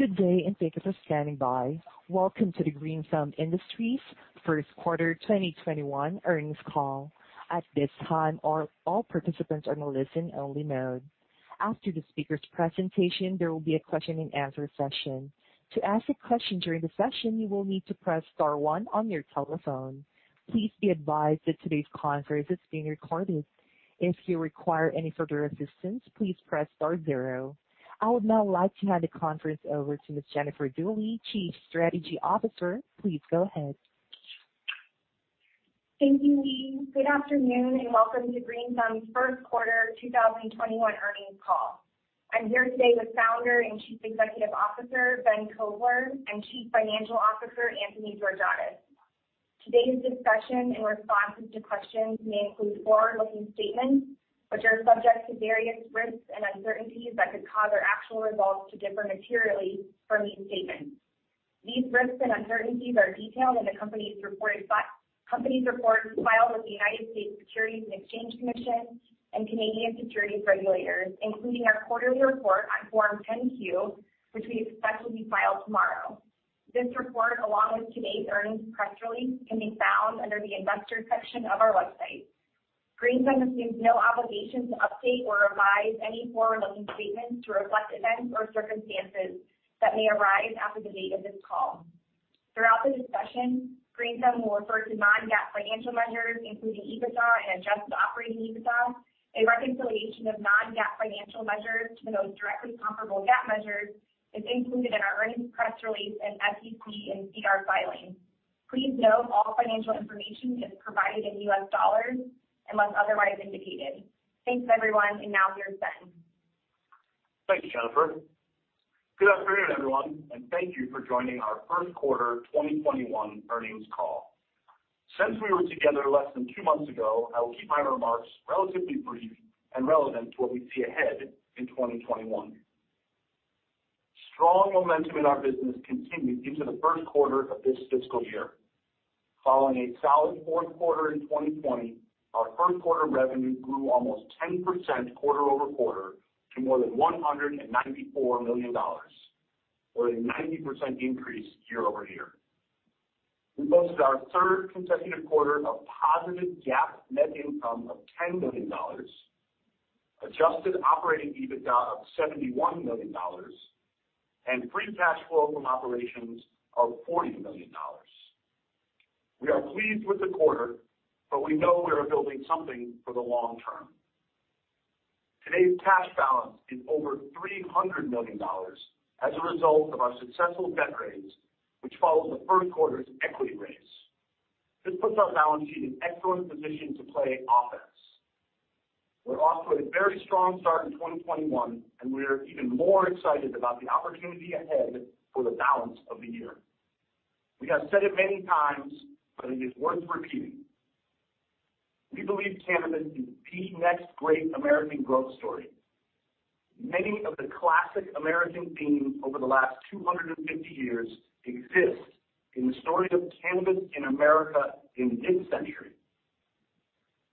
Good day, and thank you for standing by. Welcome to the Green Thumb Industries first quarter 2021 earnings call. At this time, all participants are in a listen-only mode. After the speaker's presentation, there will be a question and answer session. To ask a question during the session, you will need to press star one on your telephone. Please be advised that today's conference is being recorded. If you require any further assistance, please press star zero. I would now like to hand the conference over to Ms. Jennifer Dooley, Chief Strategy Officer. Please go ahead. Thank you, Lee. Good afternoon, and welcome to Green Thumb's first quarter 2021 earnings call. I'm here today with Founder and Chief Executive Officer, Ben Kovler, and Chief Financial Officer, Anthony Georgiadis. Today's discussion and responses to questions may include forward-looking statements, which are subject to various risks and uncertainties that could cause our actual results to differ materially from these statements. These risks and uncertainties are detailed in the company's reports filed with the United States Securities and Exchange Commission and Canadian securities regulators, including our quarterly report on Form 10-Q, which we expect will be filed tomorrow. This report, along with today's earnings press release, can be found under the Investors section of our website. Green Thumb assumes no obligation to update or revise any forward-looking statements to reflect events or circumstances that may arise after the date of this call. Throughout the discussion, Green Thumb will refer to non-GAAP financial measures, including EBITDA and adjusted operating EBITDA. A reconciliation of non-GAAP financial measures to the most directly comparable GAAP measures is included in our earnings press release and SEC and SEDAR filings. Please note all financial information is provided in US dollars unless otherwise indicated. Thanks, everyone, and now here's Ben. Thank you, Jennifer. Good afternoon, everyone, and thank you for joining our first quarter 2021 earnings call. Since we were together less than two months ago, I will keep my remarks relatively brief and relevant to what we see ahead in 2021. Strong momentum in our business continued into the first quarter of this fiscal year. Following a solid fourth quarter in 2020, our first quarter revenue grew almost 10% quarter-over-quarter to more than $194 million, or a 90% increase year-over-year. We posted our third consecutive quarter of positive GAAP net income of $10 million, adjusted operating EBITDA of $71 million, and free cash flow from operations of $40 million. We are pleased with the quarter, but we know we are building something for the long term. Today's cash balance is over $300 million as a result of our successful debt raise, which follows the first quarter's equity raise. This puts our balance sheet in excellent position to play offense. We're off to a very strong start in 2021, and we're even more excited about the opportunity ahead for the balance of the year. We have said it many times, but it is worth repeating. We believe cannabis is the next great American growth story. Many of the classic American themes over the last 250 years exist in the story of cannabis in America in this century.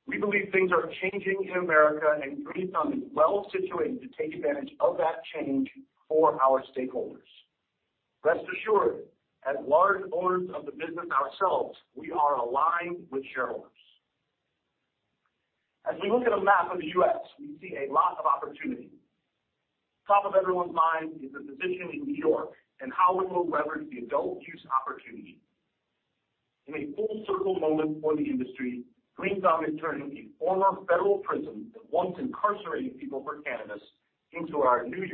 We believe things are changing in America, and Green Thumb is well-situated to take advantage of that change for our stakeholders. Rest assured, as large owners of the business ourselves, we are aligned with shareholders. As we look at a map of the U.S., we see a lot of opportunity. Top of everyone's mind is the position in N.Y. and how we will leverage the adult use opportunity. In a full circle moment for the industry, Green Thumb is turning a former federal prison that once incarcerated people for cannabis into our N.Y.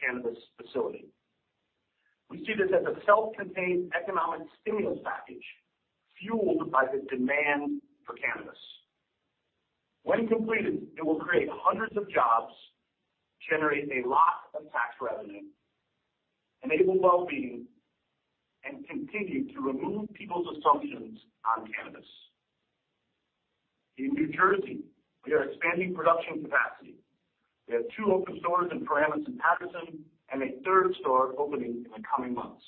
cannabis facility. We see this as a self-contained economic stimulus package fueled by the demand for cannabis. When completed, it will create hundreds of jobs, generate a lot of tax revenue, enable wellbeing, and continue to remove people's assumptions on cannabis. In New Jersey, we are expanding production capacity. We have two open stores in Paramus and Paterson, and a third store opening in the coming months.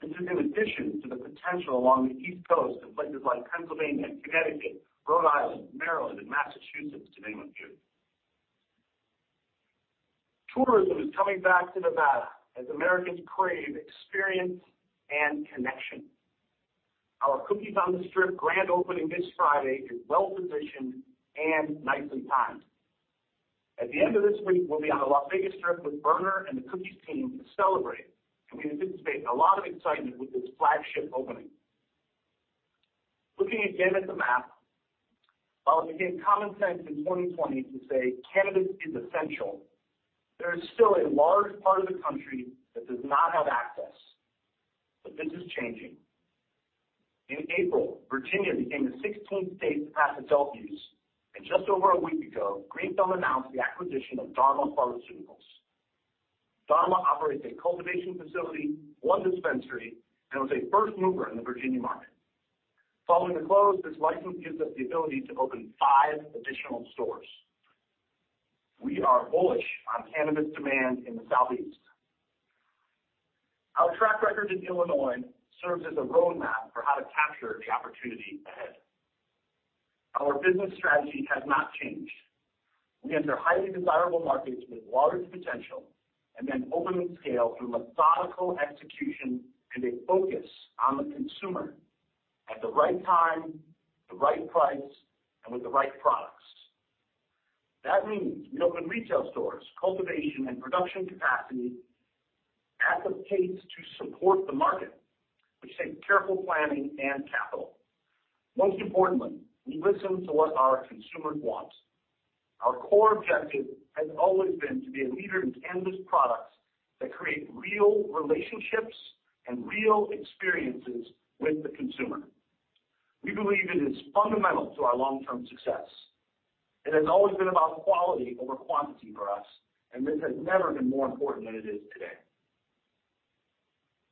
This is in addition to the potential along the East Coast in places like Pennsylvania, Connecticut, Rhode Island, Maryland, and Massachusetts, to name a few. Tourism is coming back to Nevada as Americans crave experience and connection. Our Cookies on the Strip grand opening this Friday is well-positioned and nicely timed. At the end of this week, we'll be on the Las Vegas Strip with Berner and the Cookies team to celebrate, and we anticipate a lot of excitement with this flagship opening. Looking again at the map, while it became common sense in 2020 to say cannabis is essential, there is still a large part of the country that does not have access. This is changing. In April, Virginia became the 16th state to pass adult use, and just over a week ago, Green Thumb announced the acquisition of Dharma Pharmaceuticals. Dharma operates a cultivation facility, one dispensary, and was a first mover in the Virginia market. Following the close, this license gives us the ability to open five additional stores. We are bullish on cannabis demand in the Southeast. Our track record in Illinois serves as a roadmap for how to capture the opportunity ahead. Our business strategy has not changed. We enter highly desirable markets with broader potential, and then open scale through methodical execution and a focus on the consumer at the right time, the right price, and with the right products. That means we open retail stores, cultivation, and production capacity at the pace to support the market, which takes careful planning and capital. Most importantly, we listen to what our consumers want. Our core objective has always been to be a leader in cannabis products that create real relationships and real experiences with the consumer. We believe it is fundamental to our long-term success. It has always been about quality over quantity for us, and this has never been more important than it is today.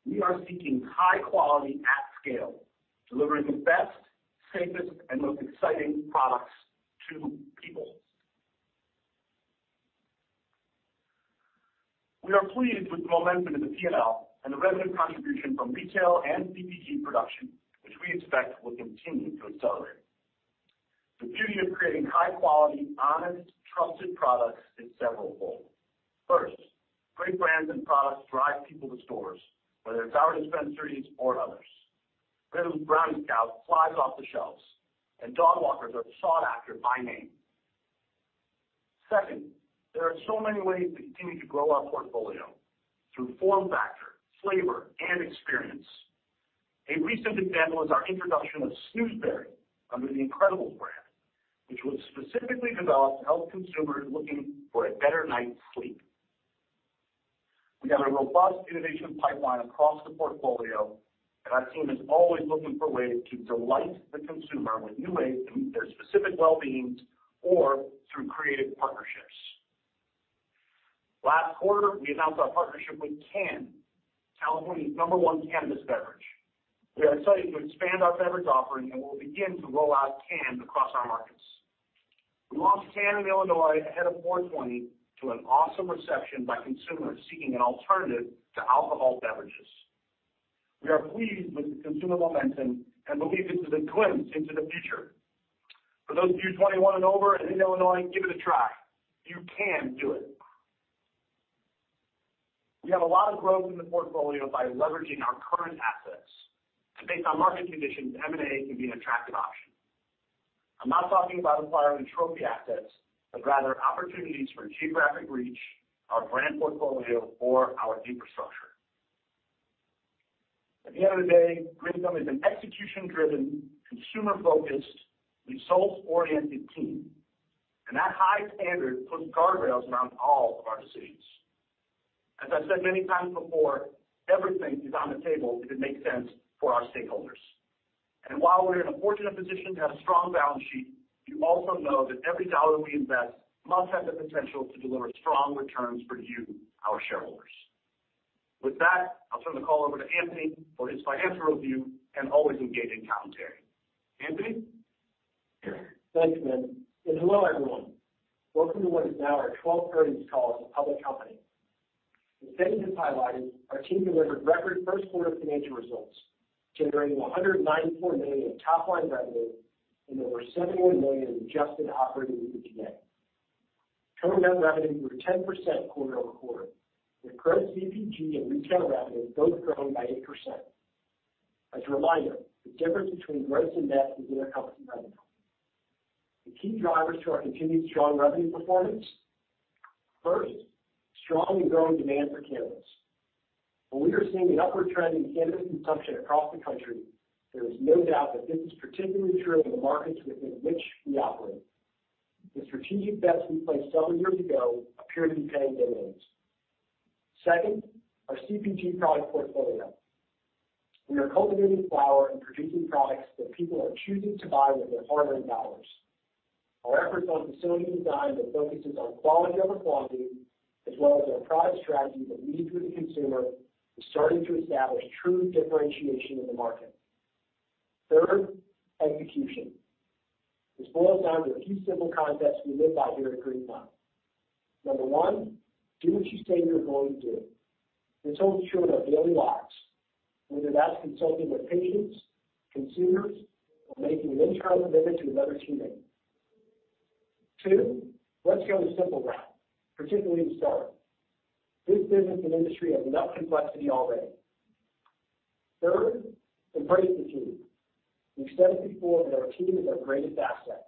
We are seeking high quality at scale, delivering the best, safest, and most exciting products to people. We are pleased with the momentum in the P&L and the revenue contribution from retail and CPG production, which we expect will continue to accelerate. The beauty of creating high-quality, honest, trusted products is severalfold. First, great brands and products drive people to stores, whether it's our dispensaries or others. RYTHM Brownie Scout flies off the shelves, and Dogwalkers are sought after by name. Second, there are so many ways we continue to grow our portfolio through form factor, flavor, and experience. A recent example is our introduction of Snoozzzieberry under the incredibles brand, which was specifically developed to help consumers looking for a better night's sleep. We have a robust innovation pipeline across the portfolio, and our team is always looking for ways to delight the consumer with new ways to meet their specific well-beings or through creative partnerships. Last quarter, we announced our partnership with Cann, California's number one cannabis beverage. We are excited to expand our beverage offering, and we'll begin to roll out Cann across our markets. We launched Cann in Illinois ahead of 420 to an awesome reception by consumers seeking an alternative to alcohol beverages. We are pleased with the consumer momentum and believe this is a glimpse into the future. For those of you 21 and over and in Illinois, give it a try. You Cann do it. We have a lot of growth in the portfolio by leveraging our current assets. based on market conditions, M&A can be an attractive option. I'm not talking about acquiring trophy assets, but rather opportunities for geographic reach, our brand portfolio, or our infrastructure. At the end of the day, Green Thumb is an execution-driven, consumer-focused, results-oriented team, and that high standard puts guardrails around all of our decisions. As I've said many times before, everything is on the table if it makes sense for our stakeholders. While we're in a fortunate position to have a strong balance sheet, you also know that every $1 we invest must have the potential to deliver strong returns for you, our shareholders. With that, I'll turn the call over to Anthony for his financial review and always engaging commentary. Anthony? Thanks, Ben, and hello, everyone. Welcome to what is now our 12th earnings call as a public company. As Ben just highlighted, our team delivered record first quarter financial results, generating $194 million in top-line revenue and over $71 million in adjusted operating EBITDA. Total net revenue grew 10% quarter-over-quarter, with gross CPG and retail revenue both growing by 8%. As a reminder, the difference between gross and net is intercompany revenue. The key drivers to our continued strong revenue performance. First, strong and growing demand for cannabis. While we are seeing an upward trend in cannabis consumption across the country, there is no doubt that this is particularly true in the markets within which we operate. The strategic bets we placed several years ago appear to be paying dividends. Second, our CPG product portfolio. We are cultivating flower and producing products that people are choosing to buy with their hard-earned dollars. Our efforts on facility design that focuses on quality over quantity, as well as our product strategy that leads with the consumer, is starting to establish true differentiation in the market. Third, execution. This boils down to a few simple concepts we live by here at Green Thumb. Number one, do what you say you're going to do. This holds true in our daily lives, whether that's consulting with patients, consumers, or making an internal commitment to another teammate. Two, let's go the simple route, particularly to start. This business and industry have enough complexity already. Third, embrace the team. We've said it before that our team is our greatest asset.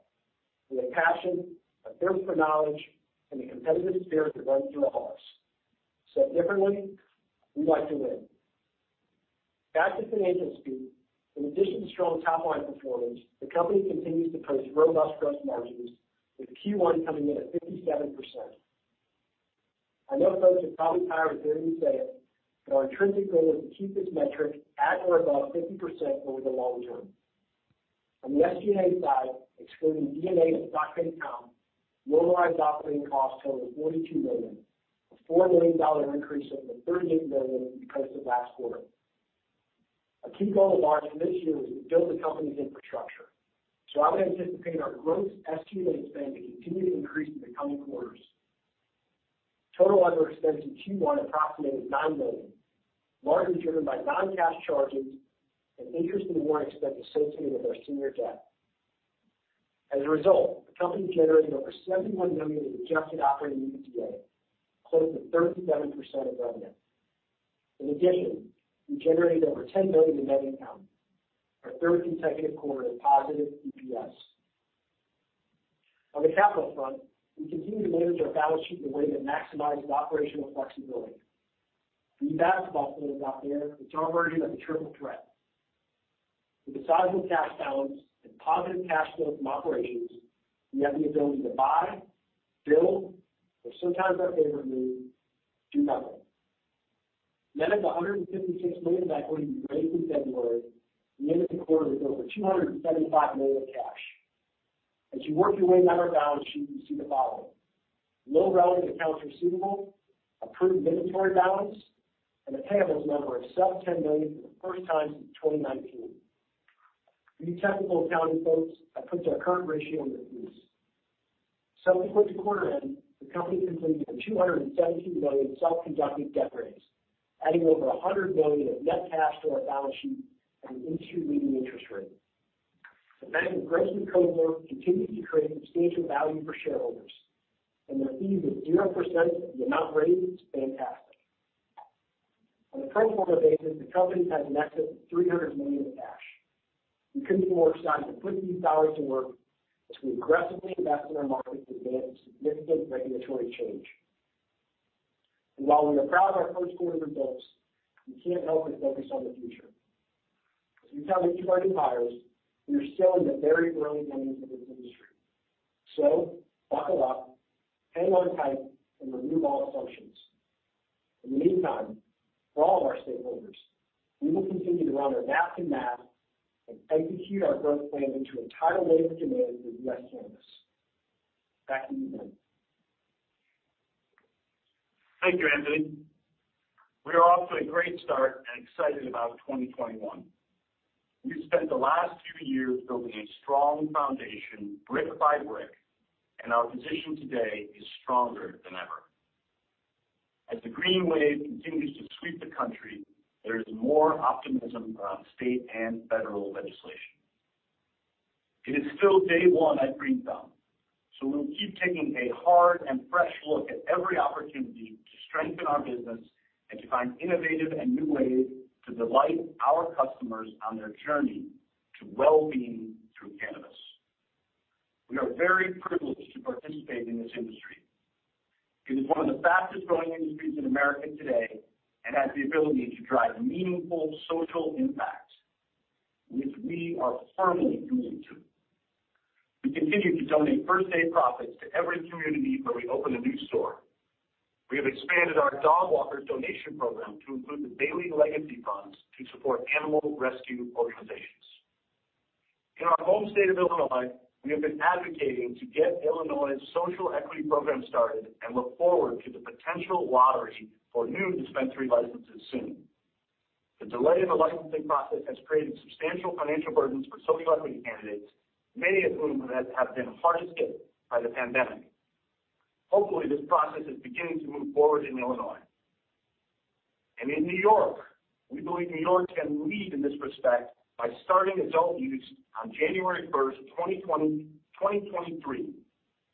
We have passion, a thirst for knowledge, and a competitive spirit that runs through our hearts. Said differently, we like to win. Back to financial speed. In addition to strong top-line performance, the company continues to post robust gross margins with Q1 coming in at 57%. Our intrinsic goal is to keep this metric at or above 50% over the long term. On the SG&A side, excluding D&A stock-based comp, normalized operating costs totaled $42 million, a $4 million increase over the $38 million posted last quarter. A key goal of ours for this year was to build the company's infrastructure. I would anticipate our gross SG&A spend to continue to increase in the coming quarters. Total other expense in Q1 approximated $9 million, largely driven by non-cash charges and interest and warrant expense associated with our senior debt. The company generated over $71 million in adjusted operating EBITDA, close to 37% of revenue. In addition, we generated over $10 million in net income, our third consecutive quarter of positive EPS. On the capital front, we continue to manage our balance sheet in a way that maximizes operational flexibility. For you basketball fans out there, it's our version of a triple threat. With a sizable cash balance and positive cash flow from operations, we have the ability to buy, build, or sometimes our favorite move, do nothing. Net of the $156 million of equity we raised in February, we ended the quarter with over $275 million of cash. As you work your way down our balance sheet, you see the following, low relative accounts receivable, a prudent inventory balance, and a payables number of sub $10 million for the first time since 2019. For you technical accounting folks, that puts our current ratio in the teens. Shortly toward the quarter end, the company completed a $217 million self-conducted debt raise, adding over $100 million of net cash to our balance sheet at an industry-leading interest rate. [inaudible] continue to create substantial value for shareholders, and their fees of 0% if you're not ready is fantastic. On a pro forma basis, the company has in excess of $300 million of cash. [inaudible] regulatory change. While we are proud of our first quarter results, we can't help but focus on the future. As we tell the Q1 umpires, we are still in the very early innings of this industry. Buckle up, hang on tight, and remove all assumptions. In the meantime, for all of our stakeholders, we will continue to run our maps and math and execute our growth plan into an entirely legitimate U.S. cannabis. Back to you, Ben. Thank you, Anthony. We are off to a great start and excited about 2021. We spent the last few years building a strong foundation, brick by brick, and our position today is stronger than ever. As the green wave continues to sweep the country, there is more optimism around state and federal legislation. It is still day one at Green Thumb, so we'll keep taking a hard and fresh look at every opportunity to strengthen our business and to find innovative and new ways to delight our customers on their journey to well-being through cannabis. We are very privileged to participate in this industry. It is one of the fastest-growing industries in America today and has the ability to drive meaningful social impact, which we are firmly committed to. We continue to donate first-day profits to every community where we open a new store. We have expanded our Dogwalkers donation program to include the Bailey's Legacy Funds to support animal rescue organizations. In our home state of Illinois, we have been advocating to get Illinois social equity program started and look forward to the potential lottery for new dispensary licenses soon. The delay in the licensing process has created substantial financial burdens for social equity candidates, many of whom have been hardest hit by the pandemic. Hopefully, this process is beginning to move forward in Illinois. In New York, we believe New York can lead in this respect by starting adult use on January 1st, 2023,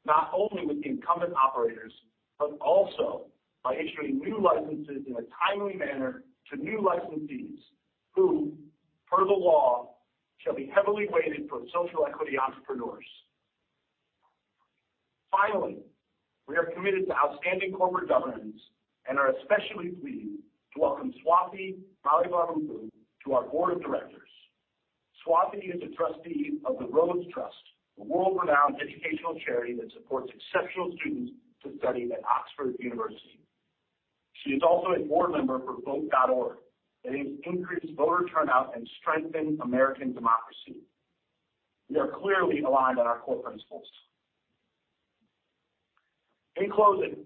not only with incumbent operators, but also by issuing new licenses in a timely manner to new licensees who, per the law, shall be heavily weighted towards social equity entrepreneurs. Finally, we are committed to outstanding corporate governance and are especially pleased to welcome Swati Mylavarapu to our board of directors. Swati is a trustee of the Rhodes Trust, a world-renowned educational charity that supports exceptional students to study at Oxford University. She is also a board member for vote.org, that aims to increase voter turnout and strengthen American democracy. We are clearly aligned on our core principles. In closing,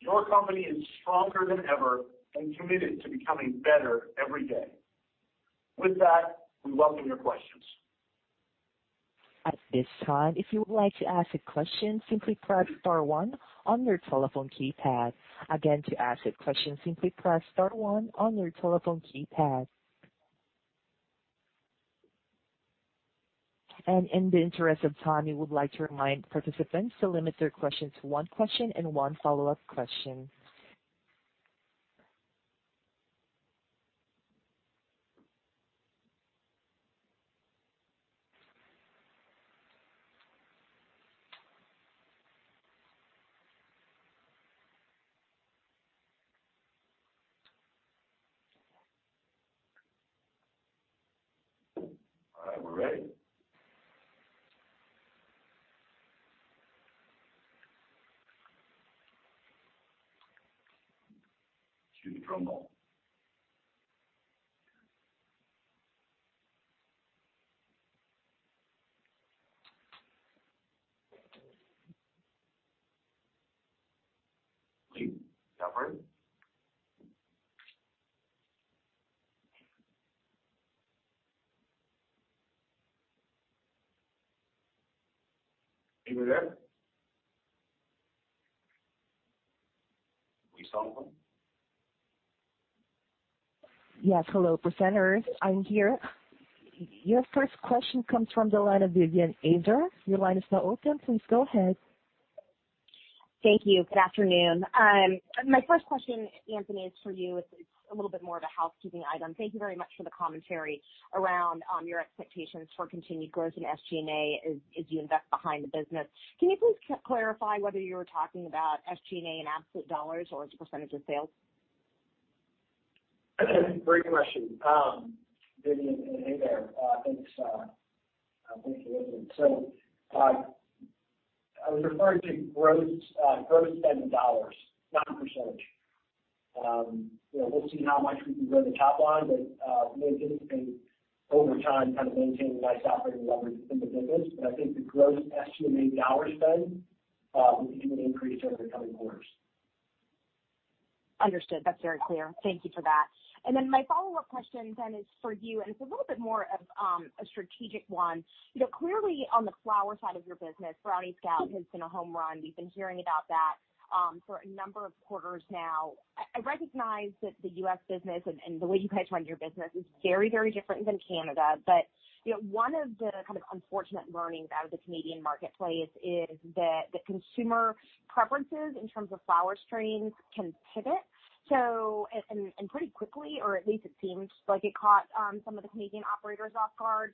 your company is stronger than ever and committed to becoming better every day. With that, we welcome your questions. At this time, if you would like to ask a question, simply press star one on your telephone keypad. Again, to ask a question, simply press star one on your telephone keypad. And in the interest of time, we would like to remind participants to limit their questions to one question and one follow-up question. All right. We're ready. Cue the drum roll. Lee, is that right? Are you there? Are we still on? Yes. Hello, presenters. I'm here. Your first question comes from the line of Vivien Azer. Your line is now open. Please go ahead. Thank you. Good afternoon. My first question, Anthony, is for you. It's a little bit more of a housekeeping item. Thank you very much for the commentary around your expectations for continued growth in SG&A as you invest behind the business. Can you please clarify whether you were talking about SG&A in absolute dollars or as a percentage of sales? Great question. Vivien, hey there. Thanks for the question. I was referring to gross spend in dollars, not percentage. We'll see how much we can grow the top line, but we're interested in, over time, kind of maintaining nice operating leverage in the business. I think the gross SG&A dollars spend, we think it will increase over the coming quarters. Understood. That's very clear. Thank you for that. my follow-up question then is for you, and it's a little bit more of a strategic one. Clearly, on the flower side of your business, Brownie Scout has been a home run. We've been hearing about that for a number of quarters now. I recognize that the U.S. business and the way you guys run your business is very, very different than Canada. one of the kind of unfortunate learnings out of the Canadian marketplace is that the consumer preferences in terms of flower strains can pivot, and pretty quickly, or at least it seems like it caught some of the Canadian operators off guard.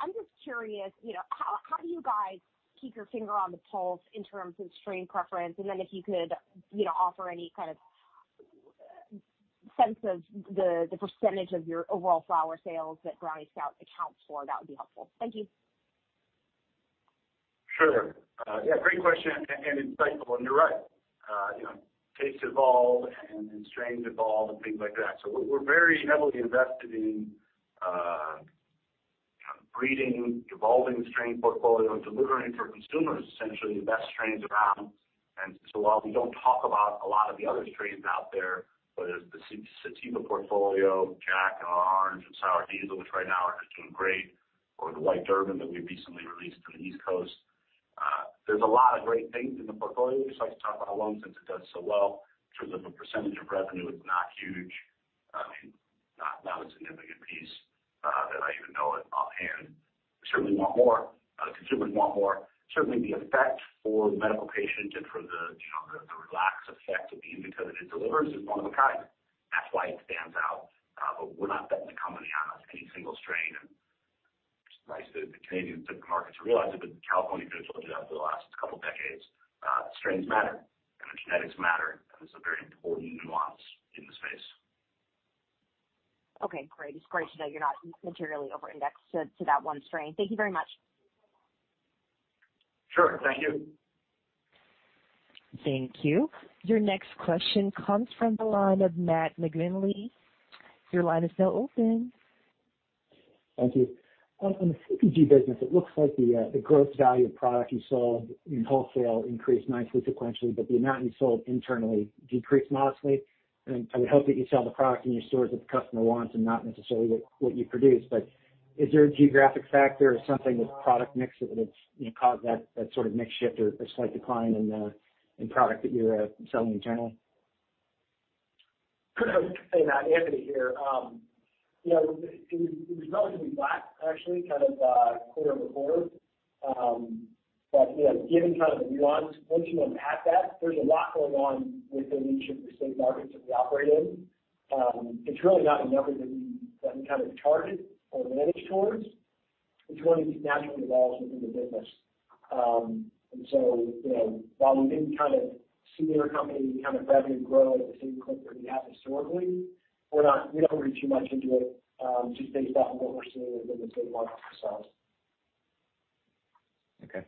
I'm just curious, how do you guys keep your finger on the pulse in terms of strain preference? if you could offer any kind of sense of the percentage of your overall flower sales that Brownie Scout accounts for, that would be helpful. Thank you. Sure. Yeah, great question and insightful, and you're right. Tastes evolve and strains evolve and things like that. We're very heavily invested in kind of breeding, evolving the strain portfolio and delivering for consumers, essentially the best strains around. While we don't talk about a lot of the other strains out there, whether it's the sativa portfolio, Jack Herer and L'Orange and Sour Diesel, which right now are just doing great, or the White Durban that we recently released on the East Coast. There's a lot of great things in the portfolio. We just like to talk about [inaudible] since it does so well. In terms of a percentage of revenue, it's not huge. I mean, not a significant piece that I even know it offhand. We certainly want more. Consumers want more. Certainly, the effect for the medical patient and for the relax effect of the indica that it delivers is one of a kind. That's why it stands out. We're not betting the company on any single strain. It's nice that the Canadian markets realize it, but California has been telling us that for the last couple of decades. Strains matter and the genetics matter, and there's a very important nuance in the space. Okay, great. It's great to know you're not materially over-indexed to that one strain. Thank you very much. Sure. Thank you. Thank you. Your next question comes from the line of Matt McGinley. Your line is now open. Thank you. On the CPG business, it looks like the gross value of product you sold in wholesale increased nicely sequentially, but the amount you sold internally decreased modestly. I would hope that you sell the product in your stores that the customer wants and not necessarily what you produce. Is there a geographic factor or something with product mix that has caused that sort of mix shift or slight decline in product that you're selling internally? Hey, Matt, Anthony here. It was relatively flat, actually, kind of quarter-over-quarter. Given kind of the nuance, once you unpack that, there's a lot going on within each of the state markets that we operate in. It's really not a number that we kind of target or manage towards. It's one of these natural evolves within the business. While we didn't kind of see intercompany kind of revenue grow at the same clip that we have historically, we don't read too much into it, just based off of what we're seeing within the state markets themselves. Okay. On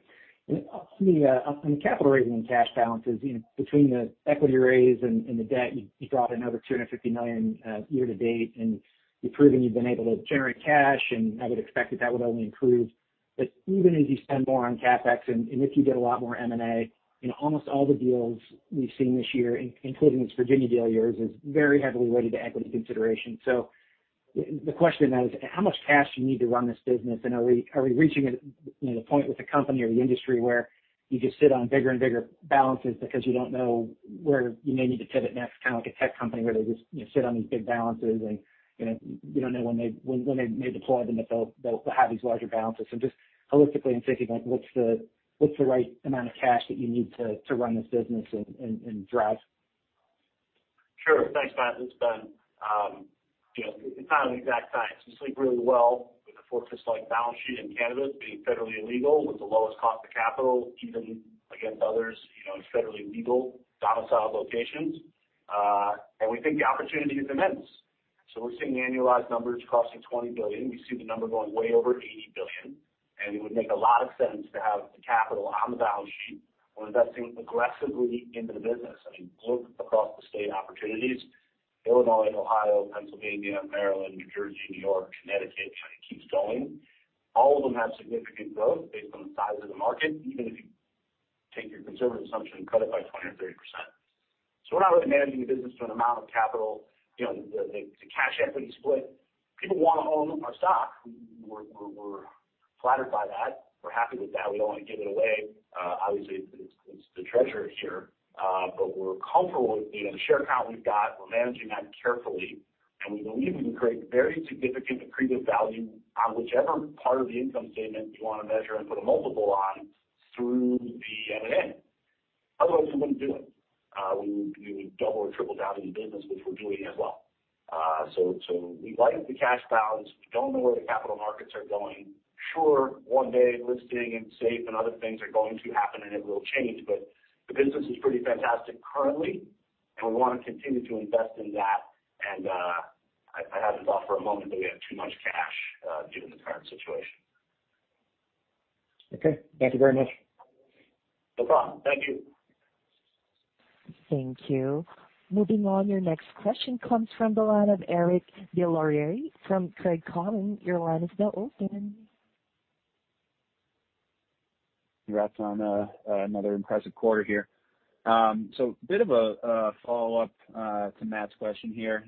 the capital raising and cash balances, between the equity raise and the debt, you brought another $250 million year to date, and you've proven you've been able to generate cash, and I would expect that would only improve. Even as you spend more on CapEx and if you did a lot more M&A, almost all the deals we've seen this year, including this Virginia deal of yours, is very heavily weighted to equity consideration. The question then is how much cash do you need to run this business, and are we reaching a point with the company or the industry where you just sit on bigger and bigger balances because you don't know where you may need to pivot next, kind of like a tech company where they just sit on these big balances and you don't know when they may deploy them, but they'll have these larger balances. Just holistically in thinking like what's the right amount of cash that you need to run this business and drive? Sure. Thanks, Matt. It's Ben. It's not an exact science. We sleep really well with a fortress-like balance sheet in cannabis being federally illegal with the lowest cost of capital, even against others in federally legal domicile locations. We think the opportunity is immense. We're seeing annualized numbers crossing $20 billion. We see the number going way over $80 billion, and it would make a lot of sense to have the capital on the balance sheet. We're investing aggressively into the business. I mean, look across the state opportunities Illinois, Ohio, Pennsylvania, Maryland, New Jersey, New York, Connecticut, kind of keeps going. All of them have significant growth based on the size of the market, even if you take your conservative assumption and cut it by 20% or 30%. We're not really managing the business to an amount of capital, the cash equity split. People want to own our stock. We're flattered by that. We're happy with that. We don't want to give it away. Obviously, it's the treasurer here. We're comfortable with the share count we've got. We're managing that carefully, and we believe we can create very significant accretive value on whichever part of the income statement you want to measure and put a multiple on through the M&A. Otherwise, we wouldn't do it. We would double or triple down in the business, which we're doing as well. We like the cash balance. We don't know where the capital markets are going. Sure, one day, listing and SAFE and other things are going to happen, and it will change, but the business is pretty fantastic currently, and we want to continue to invest in that. I haven't thought for a moment that we have too much cash given the current situation. Okay. Thank you very much. No problem. Thank you. Thank you. Moving on. Your next question comes from the line of Eric Des Lauriers from Craig-Hallum. Your line is now open. Congrats on another impressive quarter here. A bit of a follow-up to Matt's question here.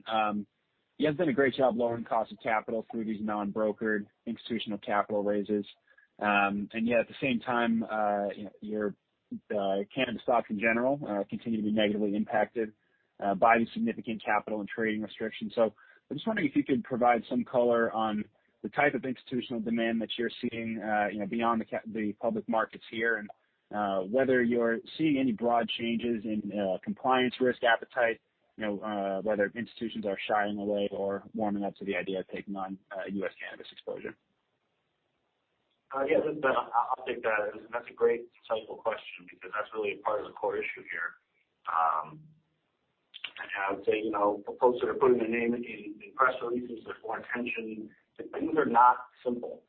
You guys done a great job lowering cost of capital through these non-brokered institutional capital raises. Yet at the same time, cannabis stocks in general continue to be negatively impacted by the significant capital and trading restrictions. I'm just wondering if you could provide some color on the type of institutional demand that you're seeing beyond the public markets here, and whether you're seeing any broad changes in compliance risk appetite, whether institutions are shying away or warming up to the idea of taking on U.S. cannabis exposure. Yeah. Listen, Ben, I'll take that. That's a great, insightful question because that's really part of the core issue here. I would say, the folks that are putting their name in press releases, there's more attention. Things are not simple.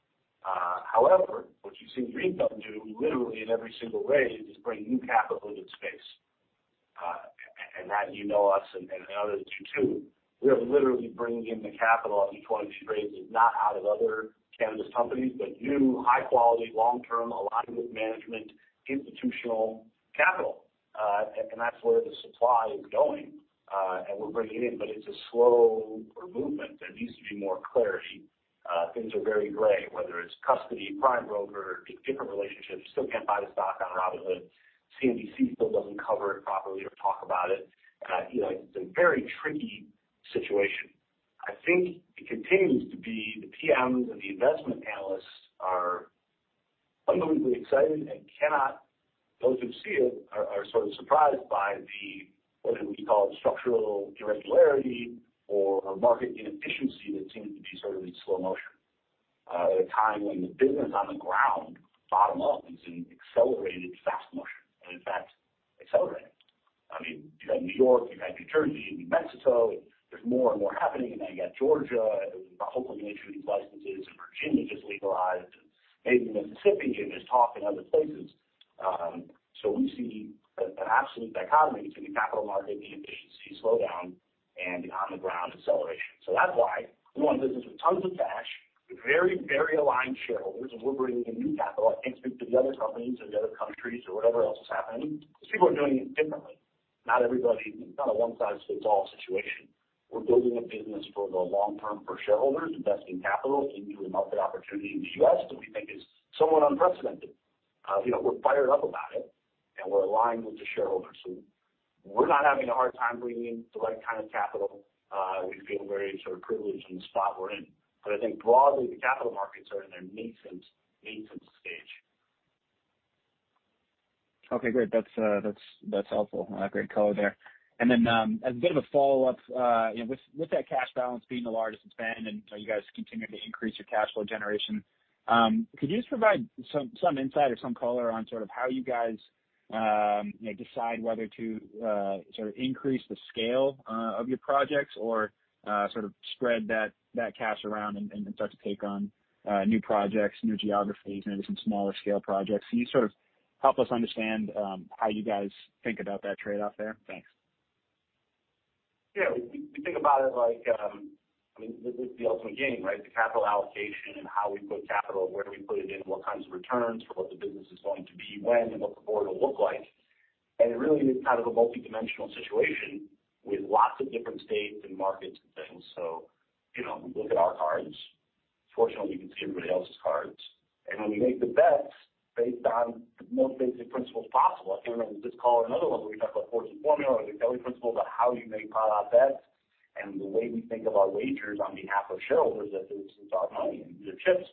However, what you've seen Green Thumb do literally in every single way is bring new capital into the space. Matt, you know us and I know that you too, we are literally bringing in the capital of each one of these raises, not out of other cannabis companies, but new high quality, long-term, aligned with management, institutional capital. That's where the supply is going. We're bringing it in, but it's a slow movement. There needs to be more clarity. Things are very gray, whether it's custody, prime broker, different relationships. You still can't buy the stock on Robinhood. CNBC still doesn't cover it properly or talk about it. It's a very tricky situation. I think it continues to be the PMs and the investment analysts are unbelievably excited and cannot those who see it are sort of surprised by the, what did we call it, structural irregularity or market inefficiency that seems to be sort of in slow motion at a time when the business on the ground, bottom up, is in accelerated fast motion. In fact, accelerating. I mean, you've had New York, you've had New Jersey, New Mexico, there's more and more happening. Now you got Georgia hopefully going to issue these licenses, and Virginia just legalized, and maybe Mississippi. There's talk in other places. We see an absolute dichotomy between the capital market inefficiency slowdown and the on the ground acceleration. That's why we run the business with tons of cash, with very aligned shareholders, and we're bringing in new capital. I can't speak to the other companies or the other countries or whatever else is happening, because people are doing it differently. It's not a one-size-fits-all situation. We're building a business for the long term for shareholders, investing capital into a market opportunity in the U.S. that we think is somewhat unprecedented. We're fired up about it, and we're aligned with the shareholders. We're not having a hard time bringing in the right kind of capital. We feel very sort of privileged in the spot we're in. I think broadly, the capital markets are in their nascent stage. Okay, great. That's helpful. Great color there. As a bit of a follow-up, with that cash balance being the largest it's been, and you guys continuing to increase your cash flow generation, could you just provide some insight or some color on sort of how you guys decide whether to increase the scale of your projects or sort of spread that cash around and start to take on new projects, new geographies, maybe some smaller scale projects. Can you sort of help us understand how you guys think about that trade-off there? Thanks. Yeah. We think about it like, I mean, this is the ultimate game, right? The capital allocation and how we put capital, where do we put it in, what kinds of returns for what the business is going to be when and what the board will look like. It really is kind of a multidimensional situation with lots of different states and markets and things. We look at our cards. Fortunately, we can see everybody else's cards. We make the bets based on the most basic principles possible. I can't remember if it was this call or another one where we talked about Fortune's Formula or the Kelly principle about how you make pot odds bets. The way we think of our wagers on behalf of shareholders, that this is our money and these are chips.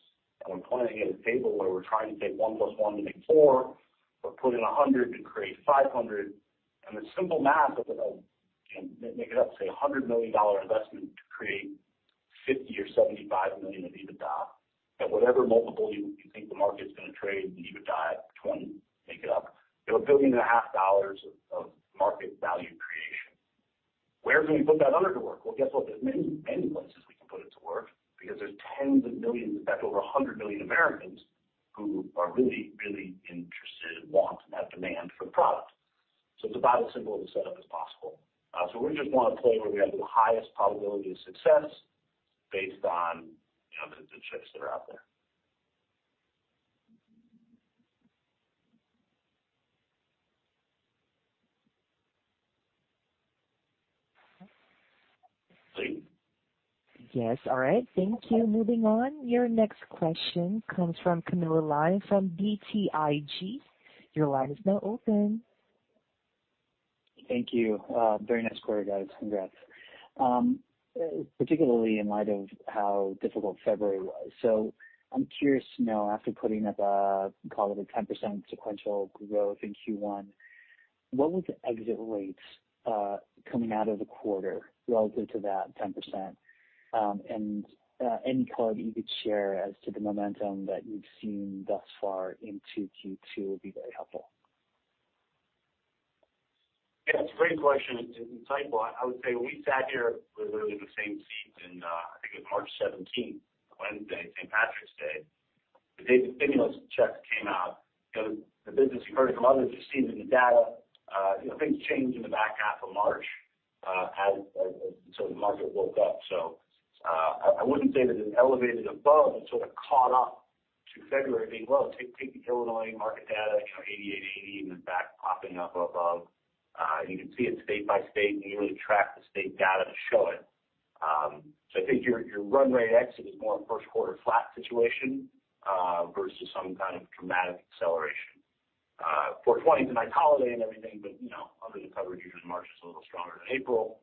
We're playing against a table where we're trying to take one plus one to make four, or put in $100 to create $500 and the simple math of, make it up, say, $100 million investment to create $50 million or $75 million of EBITDA. At whatever multiple you think the market's going to trade EBITDA at, $20, make it up. $1.5 billion of market value creation. Where can we put that dollar to work? Well, guess what? There's many places we can put it to work because there's tens of millions, in fact, over 100 million Americans who are really, really interested and want and have demand for the product. it's about as simple of a setup as possible. we just want to play where we have the highest probability of success based on the chips that are out there. Yes, all right. Thank you. Moving on. Your next question comes from Camilo Lyon from BTIG. Your line is now open. Thank you. Very nice quarter, guys. Congrats. Particularly in light of how difficult February was. I'm curious to know, after putting up a, call it a 10% sequential growth in Q1, what was the exit rates coming out of the quarter relative to that 10%? Any color you could share as to the momentum that you've seen thus far into Q2 would be very helpful. Yeah, it's a great question. Insightful. I would say when we sat here, it was literally the same seats in, I think it was March 17th, a Wednesday, St. Patrick's Day. The day the stimulus checks came out. The business you've heard it from others, you've seen it in the data. Things changed in the back half of March as the market woke up. I wouldn't say that it elevated above. It sort of caught up to February, being, well, take the Illinois market data $80 million in the back popping up above. You can see it state by state, and you really track the state data to show it. I think your run rate exit is more a first quarter flat situation, versus some kind of dramatic acceleration. 4th of July is a nice holiday and everything, but under the coverage usually March is a little stronger than April.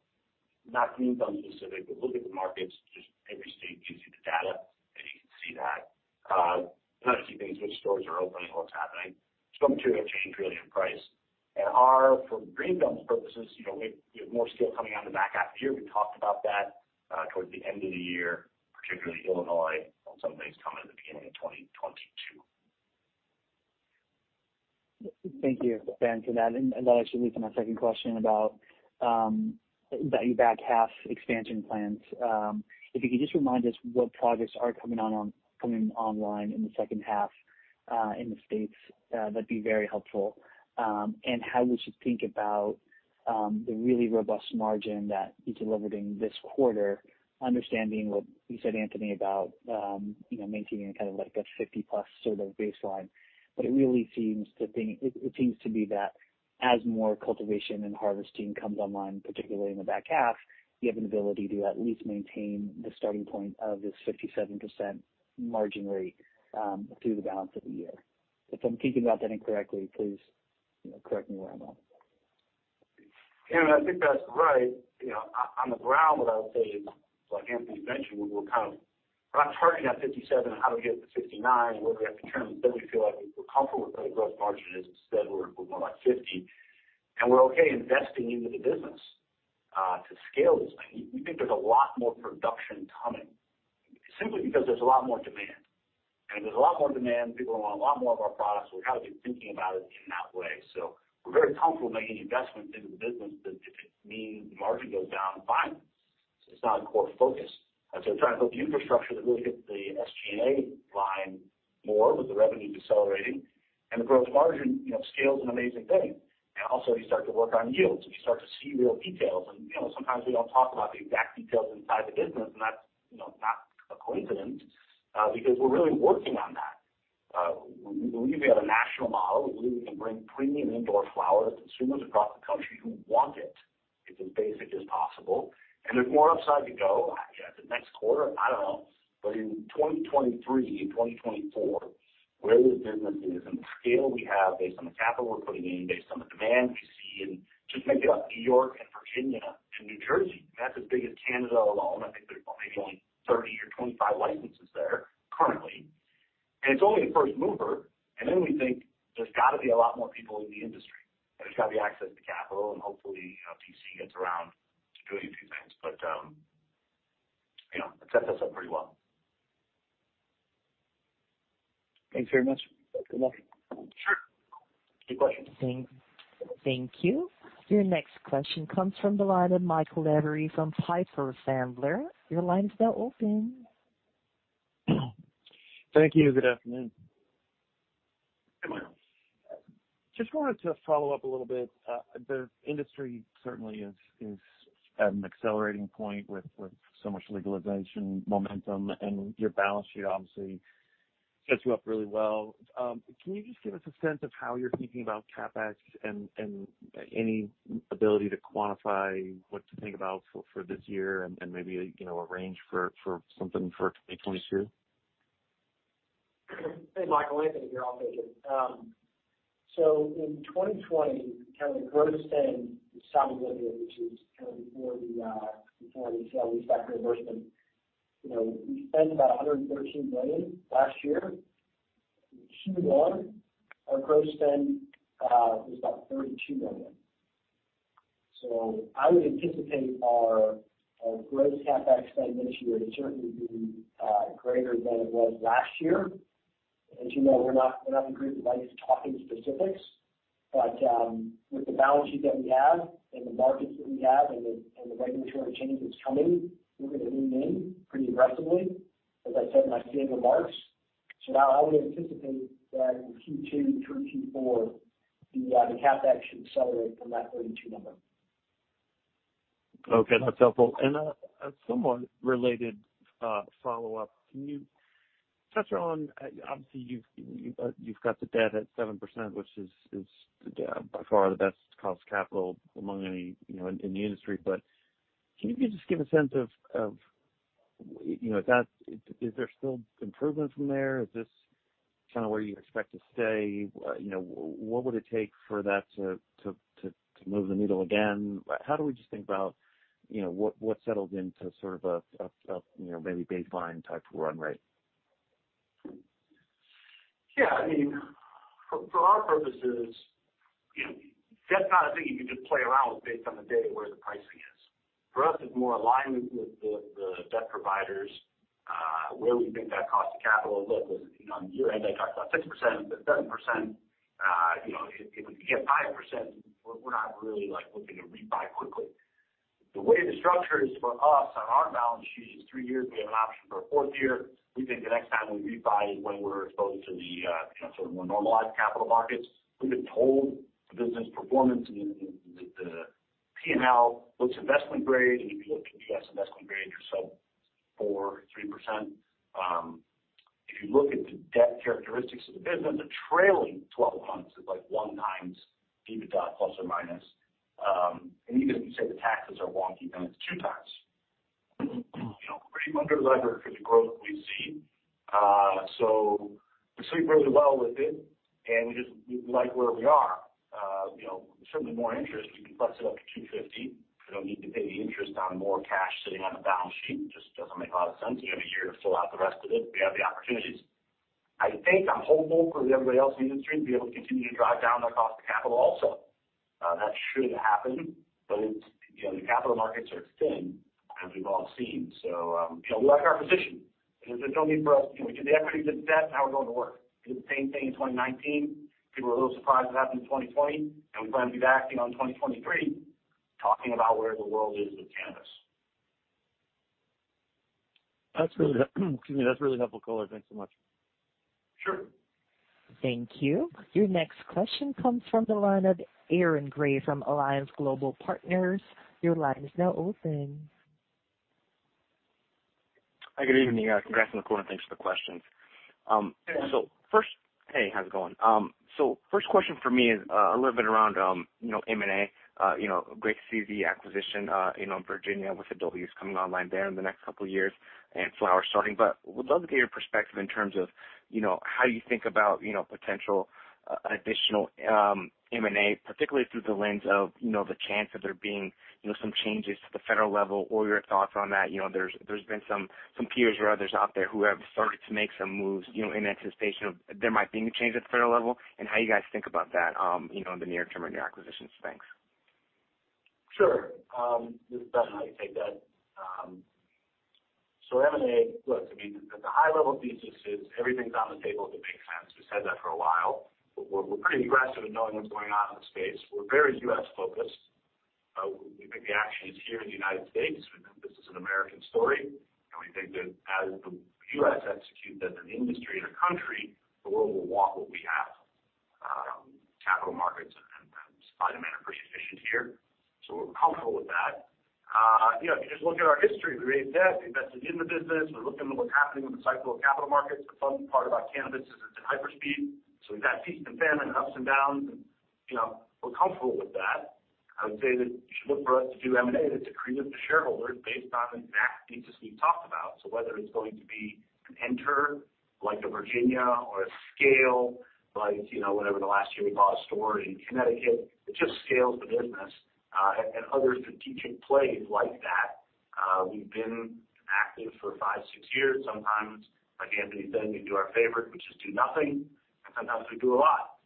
Not Green Thumb specific, but look at the markets, just every state gives you the data, and you can see that. Kind of see things, which stores are opening, what's happening. Some material change, really, in price. For Green Thumb's purposes, we have more still coming out in the back half of the year. We talked about that. Towards the end of the year, particularly Illinois, on some of the things coming at the beginning of 2022. Thank you, Ben, for that. That actually leads to my second question about your back half expansion plans. If you could just remind us what projects are coming online in the second half in the States, that'd be very helpful. How we should think about the really robust margin that you delivered in this quarter, understanding what you said, Anthony, about maintaining kind of like a 50+ sort of baseline. It really seems to be that as more cultivation and harvesting comes online, particularly in the back half, you have an ability to at least maintain the starting point of this 57% margin rate through the balance of the year. If I'm thinking about that incorrectly, please correct me where I'm wrong. Cam, I think that's right. On the ground, what I would say is, like Anthony mentioned, we're not targeting that 57%. How do we get to 59%, and where do we have to turn? We feel like we're comfortable with where the gross margin is. Instead, we're more like 50%, and we're okay investing into the business to scale this thing. We think there's a lot more production coming simply because there's a lot more demand. If there's a lot more demand, people want a lot more of our products, so we have to be thinking about it in that way. We're very comfortable making investments into the business. If it means the margin goes down, fine. It's not a core focus. trying to build the infrastructure that really hits the SG&A line more with the revenue decelerating and the gross margin, scale's an amazing thing. also, you start to work on yields, and you start to see real details. sometimes we don't talk about the exact details inside the business, and that's not a coincidence, because we're really working on that. We believe we have a national model. We believe we can bring premium indoor flower to consumers across the country who want it. It's as basic as possible. there's more upside to go. The next quarter, I don't know, but in 2023, in 2024, where this business is and the scale we have based on the capital we're putting in, based on the demand we see in. Just think about New York and Virginia and New Jersey. That's as big as Canada alone. I think there's maybe only 30 or 25 licenses there currently. It's only the first mover. We think there's got to be a lot more people in the industry, and there's got to be access to capital, and hopefully D.C. gets around to doing a few things. It sets us up pretty well. Thanks very much. Good luck. Sure. Good questions. Thank you. Your next question comes from the line of Michael Lavery from Piper Sandler. Your line is now open. Thank you. Good afternoon. Michael. Just wanted to follow up a little bit. The industry certainly is at an accelerating point with so much legalization momentum, and your balance sheet obviously sets you up really well. Can you just give us a sense of how you're thinking about CapEx and any ability to quantify what to think about for this year and maybe a range for something for 2022? Hey, Michael, Anthony here. I'll take it. In 2020, kind of the gross spend, [inaudible] which is kind of before the sale lease back reimbursement, we spent about $113 million last year. In Q1, our gross spend was about $32 million. I would anticipate our gross CapEx spend this year to certainly be greater than it was last year. As you know, we're not in a group that likes talking specifics. With the balance sheet that we have and the markets that we have and the regulatory change that's coming, we're going to lean in pretty aggressively, as I said in my standard remarks. Now I would anticipate that in Q2 through to Q4, the CapEx should accelerate from that $32 number. Okay, that's helpful. a somewhat related follow-up, can you touch on, obviously you've got the debt at 7%, which is by far the best cost capital in the industry. can you just give a sense of, is there still improvement from there? Is this kind of where you expect to stay? What would it take for that to move the needle again? How do we just think about what settles into sort of a maybe baseline type of run rate? Yeah, for our purposes, debt's not a thing you can just play around with based on the day where the pricing is. For us, it's more alignment with the debt providers, where we think that cost of capital. Look, on year-end, I talked about 6%, but 7%, if we can get 5%, we're not really looking to rebuy quickly. The way the structure is for us on our balance sheet is three years. We have an option for a fourth year. We think the next time we rebuy is when we're exposed to the sort of more normalized capital markets. We've been told the business performance and the P&L looks investment grade, and if you look at the U.S. investment grade, you're sub four, 3%. If you look at the debt characteristics of the business, the trailing 12 months is like one times EBITDA, plus or minus. Even if you say the taxes are wonky, then it's two times. Pretty under-levered for the growth we see. We sleep really well with it, and we like where we are. Certainly more interest, we can plus it up to 250. We don't need to pay the interest on more cash sitting on a balance sheet. Just doesn't make a lot of sense. We have a year to fill out the rest of it. We have the opportunities. I think I'm hopeful for everybody else in the industry to be able to continue to drive down their cost of capital also. That should happen. The capital markets are thin, as we've all seen. We like our position. There's no need for us. We did the equity, did the debt, now we're going to work. Did the same thing in 2019. People were a little surprised it happened in 2020, and we plan to be back in 2023, talking about where the world is with cannabis. That's a really helpful color. Thanks so much. Sure. Thank you. Your next question comes from the line of Aaron Grey from Alliance Global Partners. Your line is now open. Hi, good evening. Congrats on the quarter and thanks for the questions. Hey. Hey, how's it going? First question for me is a little bit around M&A. Great to see the acquisition in Virginia with adult use coming online there in the next couple of years and flowers starting. Would love to get your perspective in terms of how you think about potential additional M&A, particularly through the lens of the chance of there being some changes to the federal level or your thoughts on that. There's been some peers or others out there who have started to make some moves in anticipation of there might be new changes at the federal level and how you guys think about that in the near term and your acquisitions. Thanks. Sure. [inaudible] I can take that. M&A, look, the high level thesis is everything's on the table if it makes sense. We've said that for a while. We're pretty aggressive in knowing what's going on in the space. We're very U.S.-focused. We think the action is here in the United States. We think this is an American story, and we think that as the U.S. executes as an industry and a country, the world will want what we have. Capital markets and supply demand are pretty efficient here. We're comfortable with that. If you just look at our history, we raised debt, we invested in the business. We're looking at what's happening with the cycle of capital markets. The fun part about cannabis is it's in hyperspeed. We've got peaks and famine and ups and downs, and we're comfortable with that. I would say that you should look for us to do M&A that's accretive to shareholders based on the math thesis we've talked about. whether it's going to be an enter like a Virginia or a scale like whenever the last year we bought a store in Connecticut, it just scales the business, and other strategic plays like that. We've been active for five, six years. Sometimes, like Anthony said, we do our favorite, which is do nothing, and sometimes we do a lot.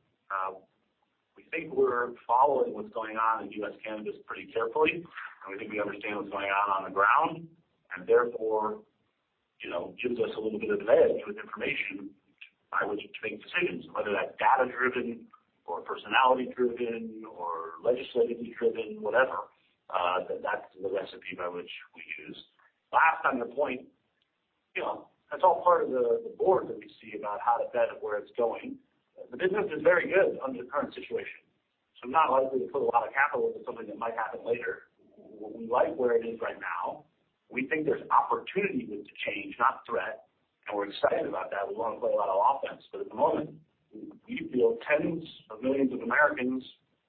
We think we're following what's going on in U.S. cannabis pretty carefully, and we think we understand what's going on on the ground and therefore, gives us a little bit of an edge with information by which we make decisions, whether that's data-driven or personality-driven or legislatively driven, whatever. that's the recipe by which we choose. On your point, that's all part of the board that we see about how to bet and where it's going. The business is very good under the current situation, I'm not likely to put a lot of capital into something that might happen later. We like where it is right now. We think there's opportunity with change, not threat, we're excited about that. We want to play a lot of offense, at the moment, we feel tens of millions of Americans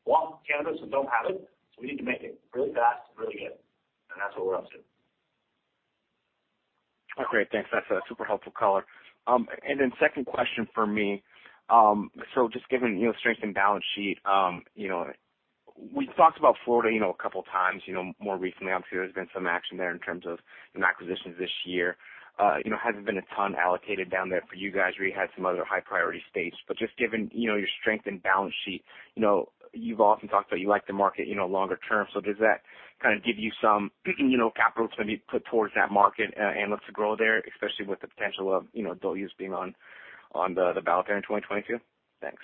want cannabis and don't have it, we need to make it really fast and really good, that's what we're up to. Oh, great. Thanks. That's a super helpful color. Then second question for me. Just given your strength in balance sheet, we've talked about Florida a couple of times more recently. Obviously, there's been some action there in terms of acquisitions this year. Hasn't been a ton allocated down there for you guys where you had some other high priority states. Just given your strength in balance sheet, you've often talked about you like the market longer term. Does that kind of give you some capital to maybe put towards that market and look to grow there, especially with the potential of adult use being on the ballot there in 2022? Thanks.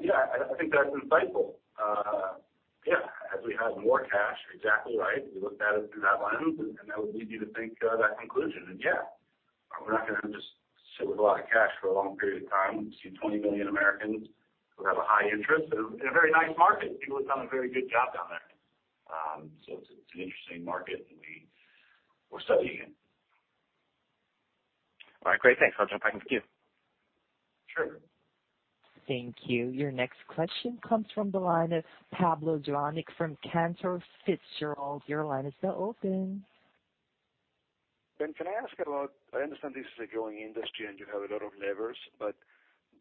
Yeah, I think that's insightful. Yeah, as we have more cash, exactly right. We looked at it through that lens and that would lead you to think that conclusion. Yeah, we're not going to just sit with a lot of cash for a long period of time. We see 20 million Americans who have a high interest in a very nice market. People have done a very good job down there. It's an interesting market and we're studying it. All right, great. Thanks. I'll jump back in the queue. Sure. Thank you. Your next question comes from the line of Pablo Zuanic from Cantor Fitzgerald. Your line is now open. Ben, can I ask about, I understand this is a growing industry and you have a lot of levers, but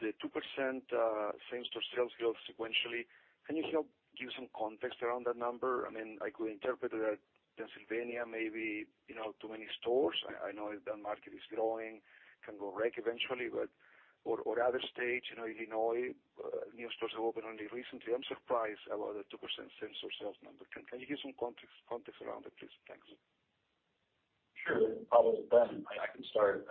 the 2% same-store sales growth sequentially, can you help give some context around that number? I could interpret that Pennsylvania may be too many stores. I know that market is growing, can go rec eventually, or other states, Illinois, new stores have opened only recently. I'm surprised about the 2% same-store sales number. Can you give some context around it, please? Thanks. Sure. Pablo, it's Ben. I can start.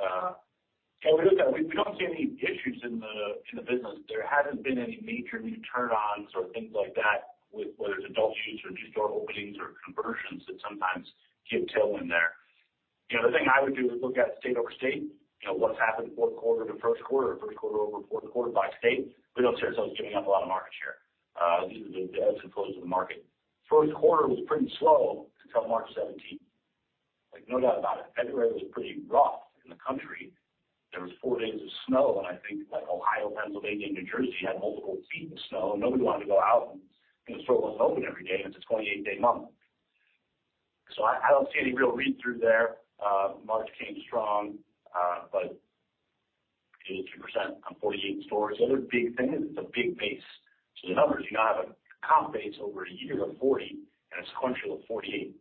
We don't see any issues in the business. There hasn't been any major new turn-ons or things like that, whether it's adult use or new store openings or conversions that sometimes. [inaudible] The thing I would do is look at state over state, what's happened fourth quarter over first quarter, or first quarter over fourth quarter by state. We don't see ourselves giving up a lot of market share. These are the ebbs and flows of the market. First quarter was pretty slow until March 17th, like no doubt about it. February was pretty rough in the country. There was four days of snow, and I think like Ohio, Pennsylvania, and New Jersey had multiple feet of snow, and nobody wanted to go out, and the store wasn't open every day, and it's a 28-day month. I don't see any real read-through there. March came strong, but 83% on 48 stores. The other big thing is it's a big base. The numbers, you now have a comp base over a year of 40 and a sequential of 48.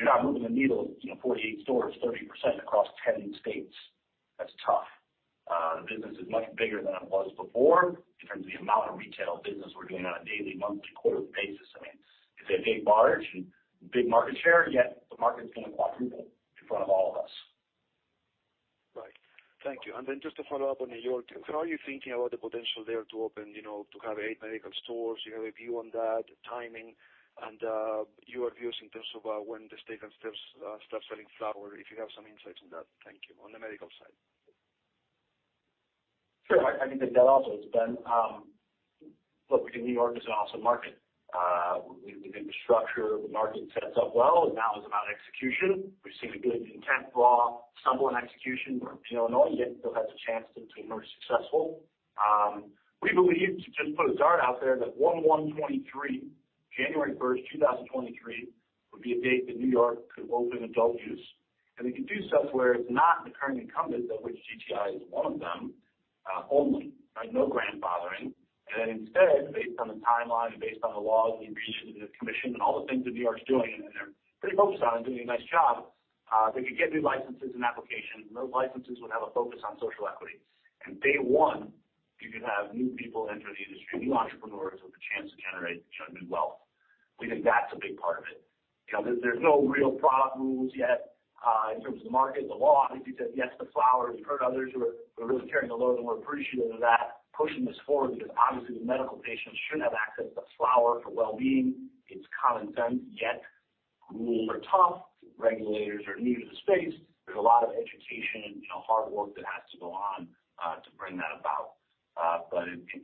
You're now moving the needle of 48 stores, 30% across 10 states. That's tough. The business is much bigger than it was before in terms of the amount of retail business we're doing on a daily, monthly, quarterly basis. It's a big barge and big market share, yet the market's going to quadruple in front of all of us. Right. Thank you. Just to follow up on New York, are you thinking about the potential there to have eight medical stores? Do you have a view on that, the timing, and your views in terms of when the state starts selling flower, if you have some insights on that? Thank you. On the medical side. I can take that also. It's Ben. We think New York is an awesome market. We think the structure of the market sets up well. It now is about execution. We've seen a good intent law stumble in execution for Illinois, yet still has a chance to emerge successful. We believe, to just put a dart out there, that 01/01/2023, January 1st, 2023, would be a date that New York could open adult use. They could do so where it's not the current incumbents, of which GTI is one of them, only. No grandfathering. Instead, based on the timeline and based on the laws and the commission and all the things that New York's doing, and they're pretty focused on and doing a nice job, they could get new licenses and applications, and those licenses would have a focus on social equity. Day one, you could have new people enter the industry, new entrepreneurs with a chance to generate new wealth. We think that's a big part of it. There's no real product rules yet in terms of the market. The law, I think he said, yes to flower. You've heard others who are really carrying the load, and we're appreciative of that, pushing this forward because obviously the medical patients shouldn't have access to flower for well-being. It's common sense, yet rules are tough. Regulators are new to the space. There's a lot of education and hard work that has to go on to bring that about.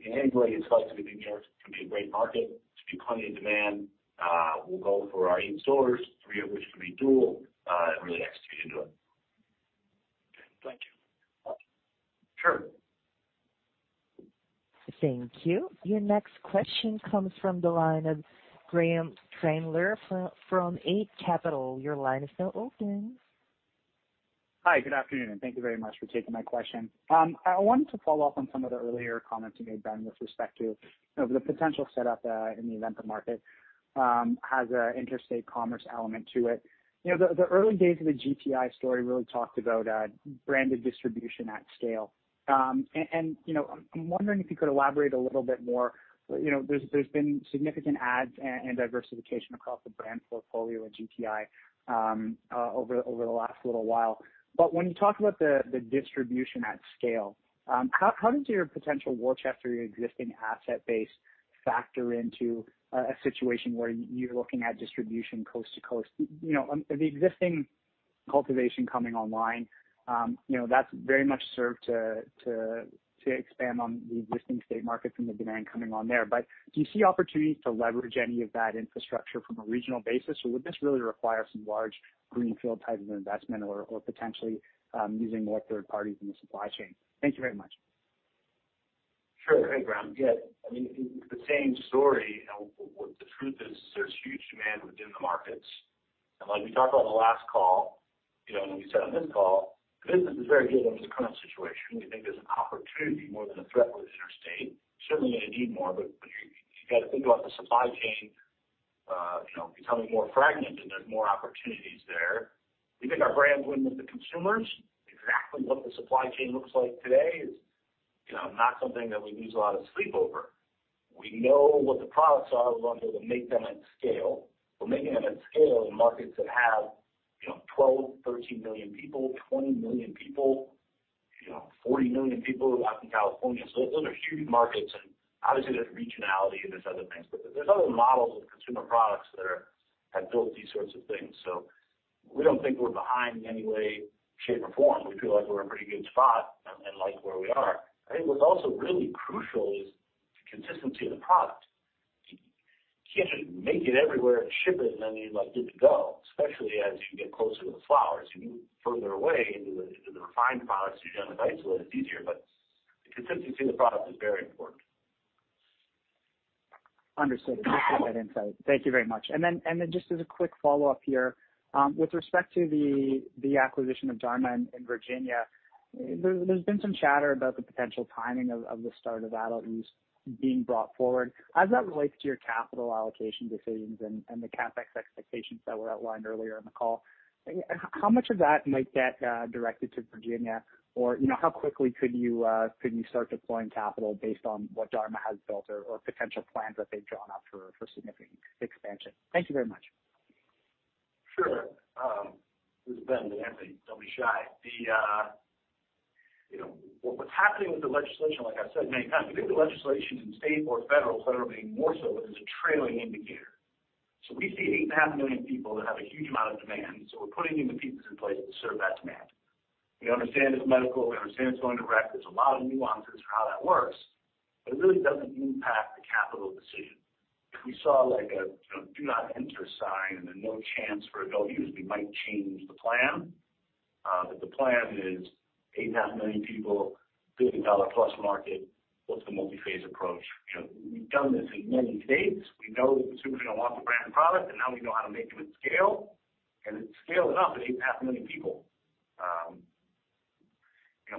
In any way, it's likely that New York can be a great market. There should be plenty of demand. We'll go for our eight stores, three of which can be dual, and really execute and do it. Okay. Thank you. Sure. Thank you. Your next question comes from the line of Graeme Kreindler from Eight Capital. Your line is now open. Hi, good afternoon. Thank you very much for taking my question. I wanted to follow up on some of the earlier comments you made, Ben, with respect to the potential set up in the event the market has an interstate commerce element to it. The early days of the GTI story really talked about branded distribution at scale. I'm wondering if you could elaborate a little bit more. There's been significant adds and diversification across the brand portfolio at GTI over the last little while. When you talk about the distribution at scale, how does your potential war chest or your existing asset base factor into a situation where you're looking at distribution coast to coast? The existing cultivation coming online, that's very much served to expand on the existing state markets and the demand coming on there. Do you see opportunities to leverage any of that infrastructure from a regional basis, or would this really require some large greenfield type of investment or potentially using more third parties in the supply chain? Thank you very much. Sure. Hey, Graeme. Yeah. It's the same story. The truth is there's huge demand within the markets. Like we talked about on the last call, and we said on this call, the business is very good under the current situation. We think there's an opportunity more than a threat with interstate. Certainly going to need more, but you got to think about the supply chain becoming more fragmented, and there's more opportunities there. We think our brands win with the consumers. Exactly what the supply chain looks like today is not something that we lose a lot of sleep over. We know what the products are. We'll be able to make them at scale, but making them at scale in markets that have 12 million people, 13 million people, 20 million people, 40 million people out in California. Those are huge markets, and obviously there's regionality and there's other things. There's other models of consumer products that have built these sorts of things. We don't think we're behind in any way, shape, or form. We feel like we're in a pretty good spot and like where we are. I think what's also really crucial is the consistency of the product. You can't just make it everywhere and ship it, and then you're good to go, especially as you get closer to the flower. As you move further away into the refined products, [inaudible] it's a little easier, but the consistency of the product is very important. Understood. Appreciate that insight. Thank you very much. Just as a quick follow-up here, with respect to the acquisition of Dharma in Virginia, there's been some chatter about the potential timing of the start of adult use being brought forward. How does that relate to your capital allocation decisions and the CapEx expectations that were outlined earlier in the call? How much of that might get directed to Virginia? How quickly could you start deploying capital based on what Dharma has built or potential plans that they've drawn up for significant expansion? Thank you very much. Sure. This is Ben, Anthony. Don't be shy. What was happening with the legislation, like I've said many times, we think the legislation in state or federal, federally more so, is a trailing indicator. We see 8.5 million people that have a huge amount of demand, so we're putting in the pieces in place to serve that demand. We understand it's medical, we understand it's going direct. There's a lot of nuances for how that works, but it really doesn't impact the capital decision. If we saw a do not enter sign and a no chance for adult use, we might change the plan. The plan is 8.5 million people, billion-dollar-plus market. What's the multi-phase approach? We've done this in many states. We know that consumers are going to want the brand and product, and now we know how to make it at scale. it's scale enough for eight and a half million people.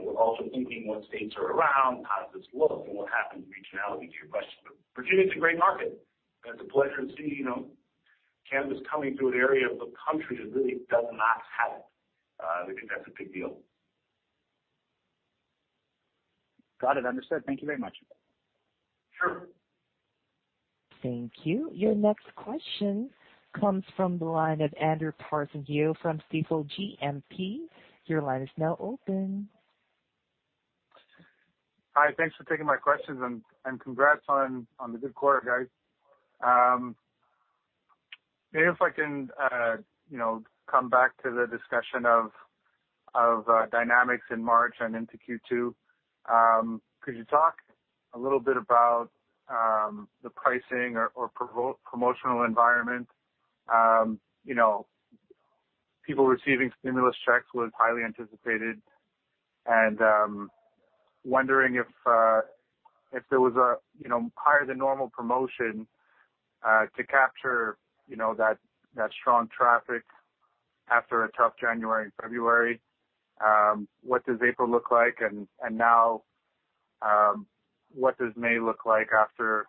We're also thinking what states are around, how does this look, and what happens regionality to your question. Virginia's a great market, and it's a pleasure to see cannabis coming to an area of the country that really does not have it. We think that's a big deal. Got it. Understood. Thank you very much. Sure. Thank you. Your next question comes from the line of Andrew Partheniou from Stifel GMP. Your line is now open. Hi, thanks for taking my questions, and congrats on the good quarter, guys. Maybe if I can come back to the discussion of dynamics in March and into Q2. Could you talk a little bit about the pricing or promotional environment? People receiving stimulus checks was highly anticipated, and wondering if there was a higher than normal promotion to capture that strong traffic after a tough January and February. What does April look like, and now what does May look like after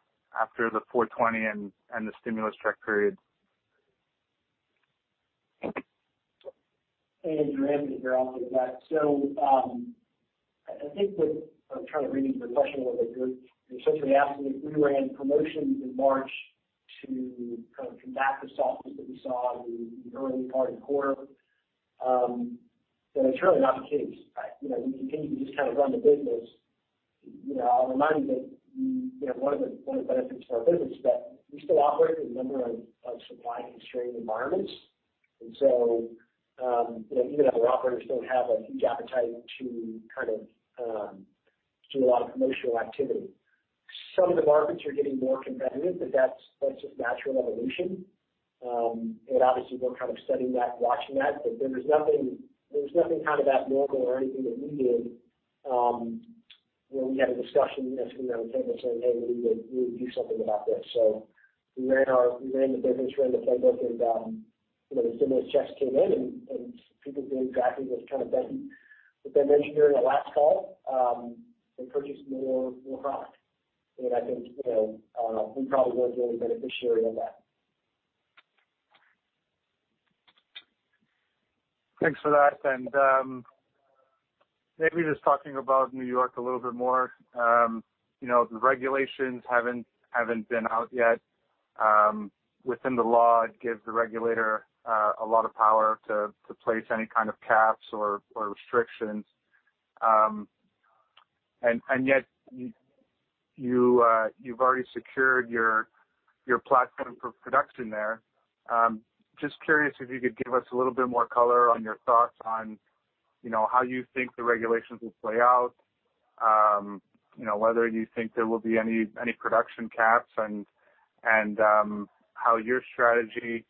the 4/20 and the stimulus check period? Andrew, Anthony here, I'll take that. I think that, I'm trying to read into your question a little bit, you're essentially asking if we ran promotions in March to kind of combat the softness that we saw in the early part of the quarter. That is really not the case. We continue to just kind of run the business. I'll remind you that one of the benefits to our business is that we still operate in a number of supply-constrained environments. Even though our operators don't have a huge appetite to do a lot of promotional activity, some of the markets are getting more competitive, but that's just natural evolution. Obviously we're kind of studying that and watching that, but there was nothing kind of abnormal or anything that we did, where we had a discussion, as we sat around the table saying, "Hey, we need to do something about this." We ran the business, ran the playbook, and the stimulus checks came in and people did exactly what Ben mentioned during the last call. They purchased more product. I think we probably were the only beneficiary of that. Thanks for that. Maybe just talking about New York a little bit more. The regulations haven't been out yet. Within the law, it gives the regulator a lot of power to place any kind of caps or restrictions. Yet you've already secured your platform for production there. Just curious if you could give us a little bit more color on your thoughts on how you think the regulations will play out, whether you think there will be any production caps, and how your strategy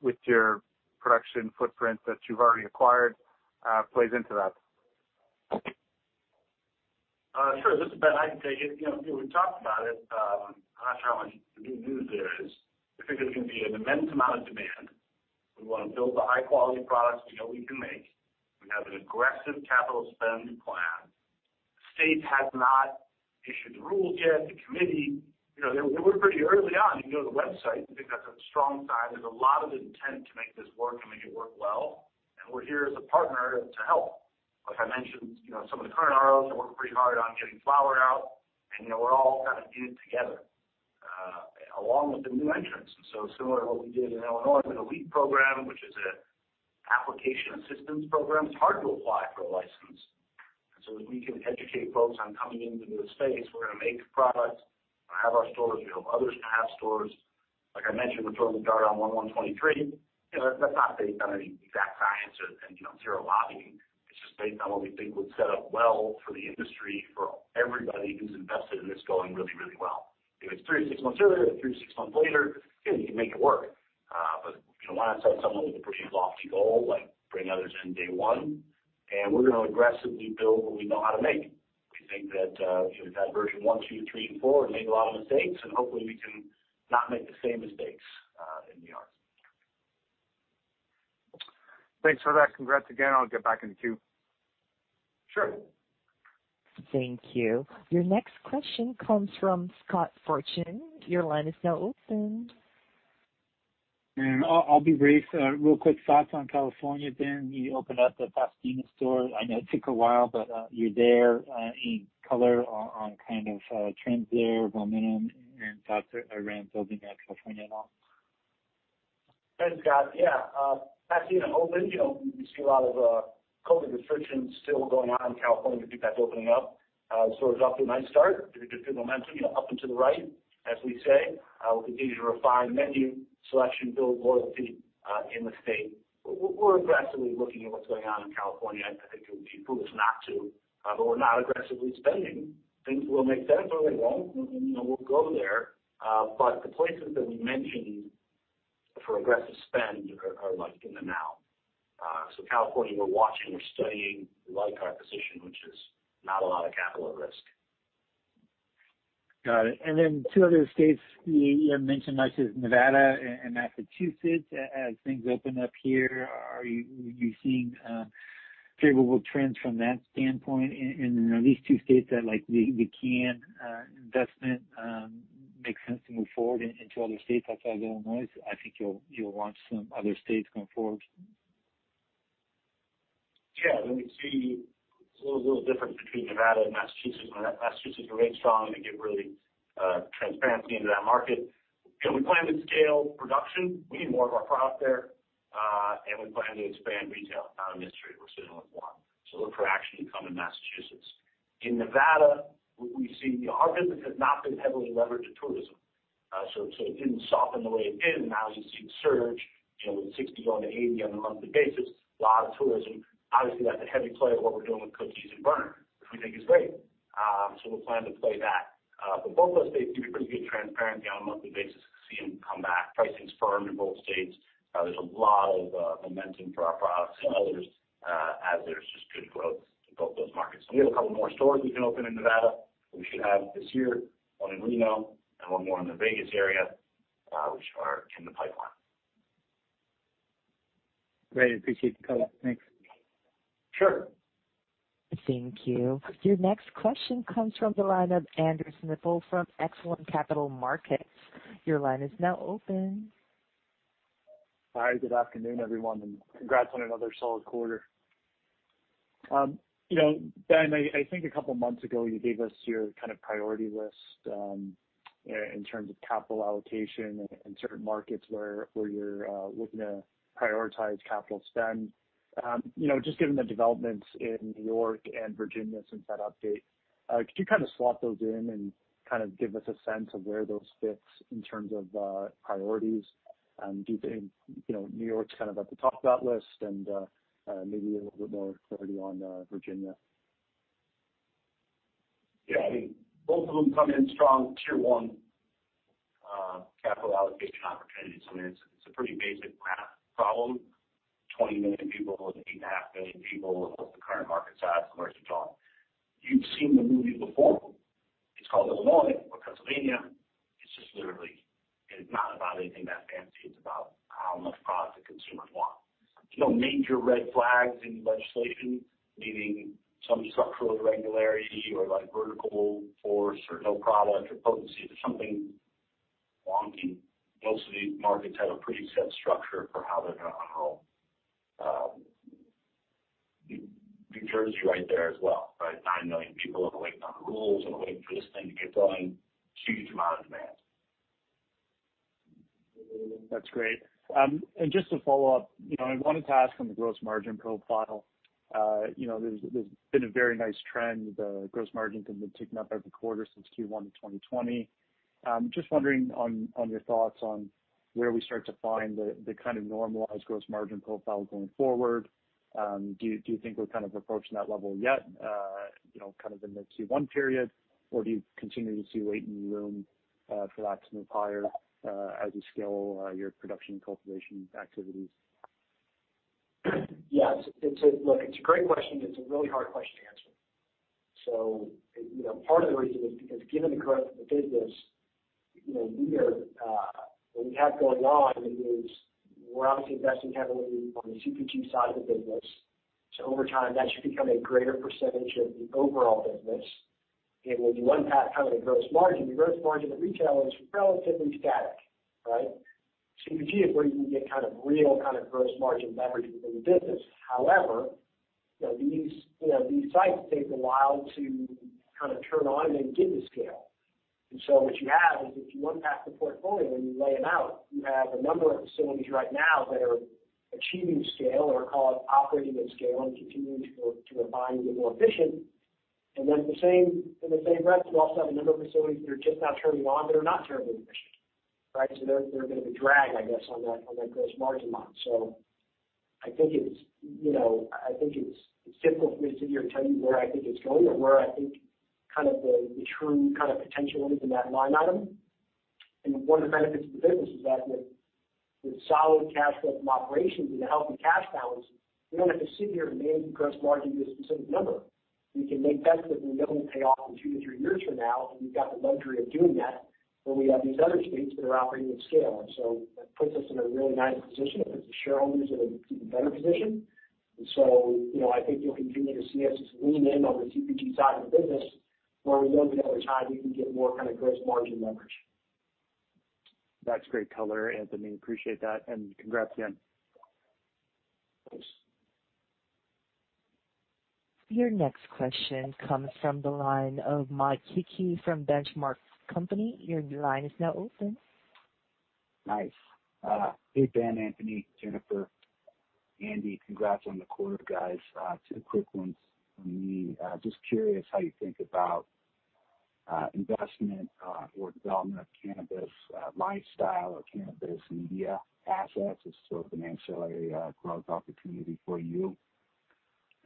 with your production footprint that you've already acquired plays into that. Sure. This is Ben, I can take it. We've talked about it. I'm not sure how much new news there is. I think there's going to be an immense amount of demand. We want to build the high-quality products we know we can make. We have an aggressive capital spend plan. The state has not issued the rule yet. The committee, we're pretty early on. You can go to the website. I think that's a strong sign. There's a lot of intent to make this work and make it work well, and we're here as a partner to help. Like I mentioned, some of the current ROs are working pretty hard on getting flower out, and we're all kind of in it together. Along with the new entrants. Similar to what we did in Illinois with the LEAP program, which is an application assistance program. It's hard to apply for a license. As we can educate folks on coming into the space, we're going to make the product, we're going to have our stores, we hope others can have stores. Like I mentioned, we're throwing the dart on 01/01/23. That's not based on any exact science or zero lobbying. It's just based on what we think would set up well for the industry, for everybody who's invested in this going really, really well. If it's three to six months earlier or three to six months later, you can make it work. Why not set someone with a pretty lofty goal, like bring others in day one? We're going to aggressively build what we know how to make. We think that we've had version one, two, three, and four and made a lot of mistakes, and hopefully we can not make the same mistakes in New York. Thanks for that. Congrats again. I'll get back in the queue. Sure. Thank you. Your next question comes from Scott Fortune. Your line is now open. I'll be brief. Real quick thoughts on California, Ben. You opened up the Pasadena store. I know it took a while, but you're there. Any color on kind of trends there, momentum, and thoughts around building out California at all? Thanks, Scott. Yeah. Pasadena opened. We see a lot of COVID restrictions still going on in California, but that's opening up. The store's off to a nice start. Pretty good momentum, up and to the right, as we say. We'll continue to refine menu selection, build loyalty in the state. We're aggressively looking at what's going on in California. I think it would be foolish not to, but we're not aggressively spending. If things will make sense, they'll make sense, and then we'll go there. The places that we mentioned for aggressive spend are like in the now. California, we're watching, we're studying. We like our position, which is not a lot of capital at risk. Got it. two other states you mentioned, I'd say is Nevada and Massachusetts. As things open up here, are you seeing favorable trends from that standpoint in these two states that the Cann investment makes sense to move forward into other states? That's why Illinois, I think you'll launch some other states going forward. Yeah. Let me see. It's a little different between Nevada and Massachusetts. Massachusetts, we're in strong and get really transparency into that market. We plan to scale production. We need more of our product there. We plan to expand retail. Not in this quarter, we're sitting with one. Look for action to come in Massachusetts. In Nevada, our business has not been heavily leveraged to tourism. It didn't soften the way it did. Now you're seeing surge with 60 going to 80 on a monthly basis. A lot of tourism. Obviously, that's a heavy play of what we're doing with Cookies and Berner, which we think is great. We'll plan to play that. Both those states, we get pretty good transparency on a monthly basis to see them come back. Pricing's firm in both states. There's a lot of momentum for our products and others, as there's just good growth in both those markets. We have a couple more stores we can open in Nevada. We should have this year, one in Reno and one more in the Vegas area, which are in the pipeline. Great. Appreciate the color. Thanks. Sure. Thank you. Your next question comes from the line of Andrew Semple from Echelon Capital Markets. Your line is now open. Hi, good afternoon, everyone, and congrats on another solid quarter. Ben, I think a couple of months ago, you gave us your kind of priority list in terms of capital allocation and certain markets where you're looking to prioritize capital spend. Just given the developments in New York and Virginia since that update, could you kind of slot those in and kind of give us a sense of where those fits in terms of priorities? Do you think New York's kind of at the top of that list and maybe a little bit more clarity on Virginia? Yeah, I mean, both of them come in strong tier 1 capital allocation opportunities. I mean, it's a pretty basic math problem. 20 million people and 8.5 million people, both the current market size in New York and California. You've seen the movie before. It's called Illinois or Pennsylvania. It's just literally, it is not about anything that fancy. It's about how much product the consumers want. There's no major red flags in legislation, meaning some structural irregularity or like vertical force or no product or potency. There's something wonky. Most of these markets have a pretty set structure for how they're going to operate. New Jersey's right there as well, right? 9 million people are waiting on rules and waiting for this thing to get going. Huge amount of demand. That's great. Just to follow up, I wanted to ask on the gross margin profile. There's been a very nice trend. The gross margin has been ticking up every quarter since Q1 of 2020. Just wondering on your thoughts on where we start to find the kind of normalized gross margin profile going forward. Do you think we're kind of approaching that level yet, kind of in the Q1 period? Do you continue to see waiting room for that to move higher as you scale your production and cultivation activities? Yes. Look, it's a great question. It's a really hard question to answer. Part of the reason is because given the growth of the business, what we have going on is we're obviously investing heavily on the CPG side of the business. Over time, that should become a greater percentage of the overall business. When you unpack kind of the gross margin, the gross margin of retail is relatively static, right? CPG is where you can get kind of real kind of gross margin leverage within the business. However. These sites take a while to kind of turn on and get to scale. What you have is, if you unpack the portfolio and you lay them out, you have a number of facilities right now that are achieving scale or call it operating at scale and continuing to refine and get more efficient. In the same breath, you also have a number of facilities that are just now turning on that are not terribly efficient, right? They're going to be a drag, I guess, on that gross margin line. I think it's difficult for me to sit here and tell you where I think it's going or where I think the true potential is in that line item. One of the benefits of the business is that with solid cash flow from operations and a healthy cash balance, we don't have to sit here and name gross margin to a specific number. We can make bets that may not only pay off in two to three years from now, and we've got the luxury of doing that, but we have these other states that are operating at scale. That puts us in a really nice position and puts the shareholders in an even better position. I think you'll continue to see us just lean in on the CPG side of the business where we know that over time we can get more kind of gross margin leverage. That's great color, Anthony, appreciate that, and congrats again. Thanks. Your next question comes from the line of Mike Hickey from Benchmark Company. Your line is now open. Nice. Hey, Ben, Anthony, Jennifer, Andy, congrats on the quarter, guys. Two quick ones from me. Just curious how you think about investment or development of cannabis lifestyle or cannabis media assets as sort of an ancillary growth opportunity for you.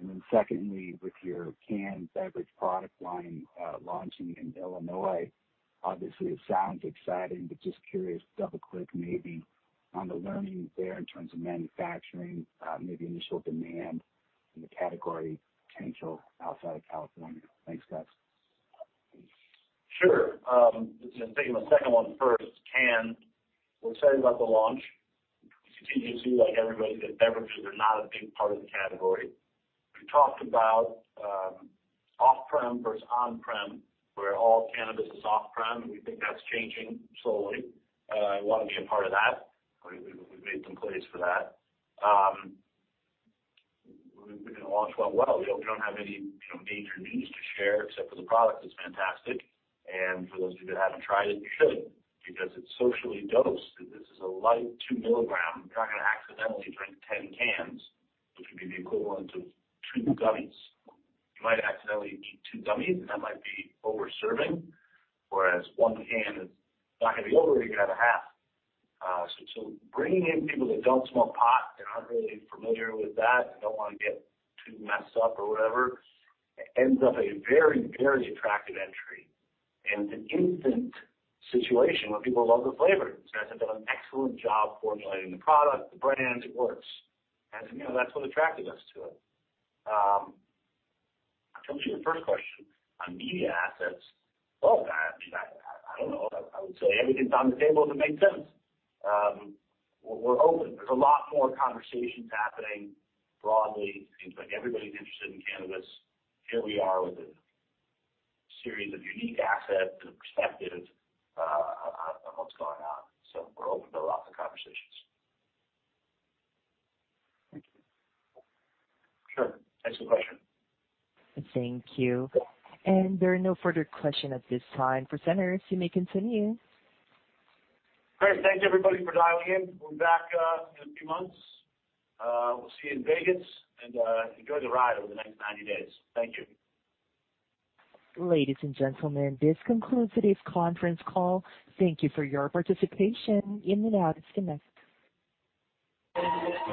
then secondly, with your Cann beverage product line launching in Illinois, obviously, it sounds exciting, but just curious, double-click maybe on the learnings there in terms of manufacturing, maybe initial demand in the category potential outside of California. Thanks, guys. Sure. I'll take the second one first. Cann, we're excited about the launch. We continue to see, like everybody, that beverages are not a big part of the category. We talked about off-prem versus on-prem, where all cannabis is off-prem, and we think that's changing slowly. We want to be a part of that. We've made some plays for that. We think it'll launch well. We don't have any major news to share except for the product is fantastic. For those of you that haven't tried it, you should, because it's socially dosed. This is a light 2 mg. You're not going to accidentally drink 10 Canns, which would be the equivalent of two gummies. You might accidentally eat two gummies, and that might be over-serving, whereas one cann is not going to be over, even at a half. bringing in people that don't smoke pot, they're not really familiar with that, they don't want to get too messed up or whatever, it ends up a very, very attractive entry. it's an instant situation where people love the flavor. The guys have done an excellent job formulating the product, the brand. It works. As you know, that's what attracted us to it. I'll come to your first question. On media assets, well, I don't know. I would say everything's on the table if it makes sense. We're open. There's a lot more conversations happening broadly. It seems like everybody's interested in cannabis. Here we are with a series of unique assets and perspectives on what's going on. we're open to lots of conversations. Thank you. Sure. Thanks for the question. Thank you. There are no further questions at this time. Presenters, you may continue. Great. Thank you, everybody, for dialing in. We'll be back in a few months. We'll see you in Vegas, and enjoy the ride over the next 90 days. Thank you. Ladies and gentlemen, this concludes today's conference call. Thank you for your participation. You may now disconnect.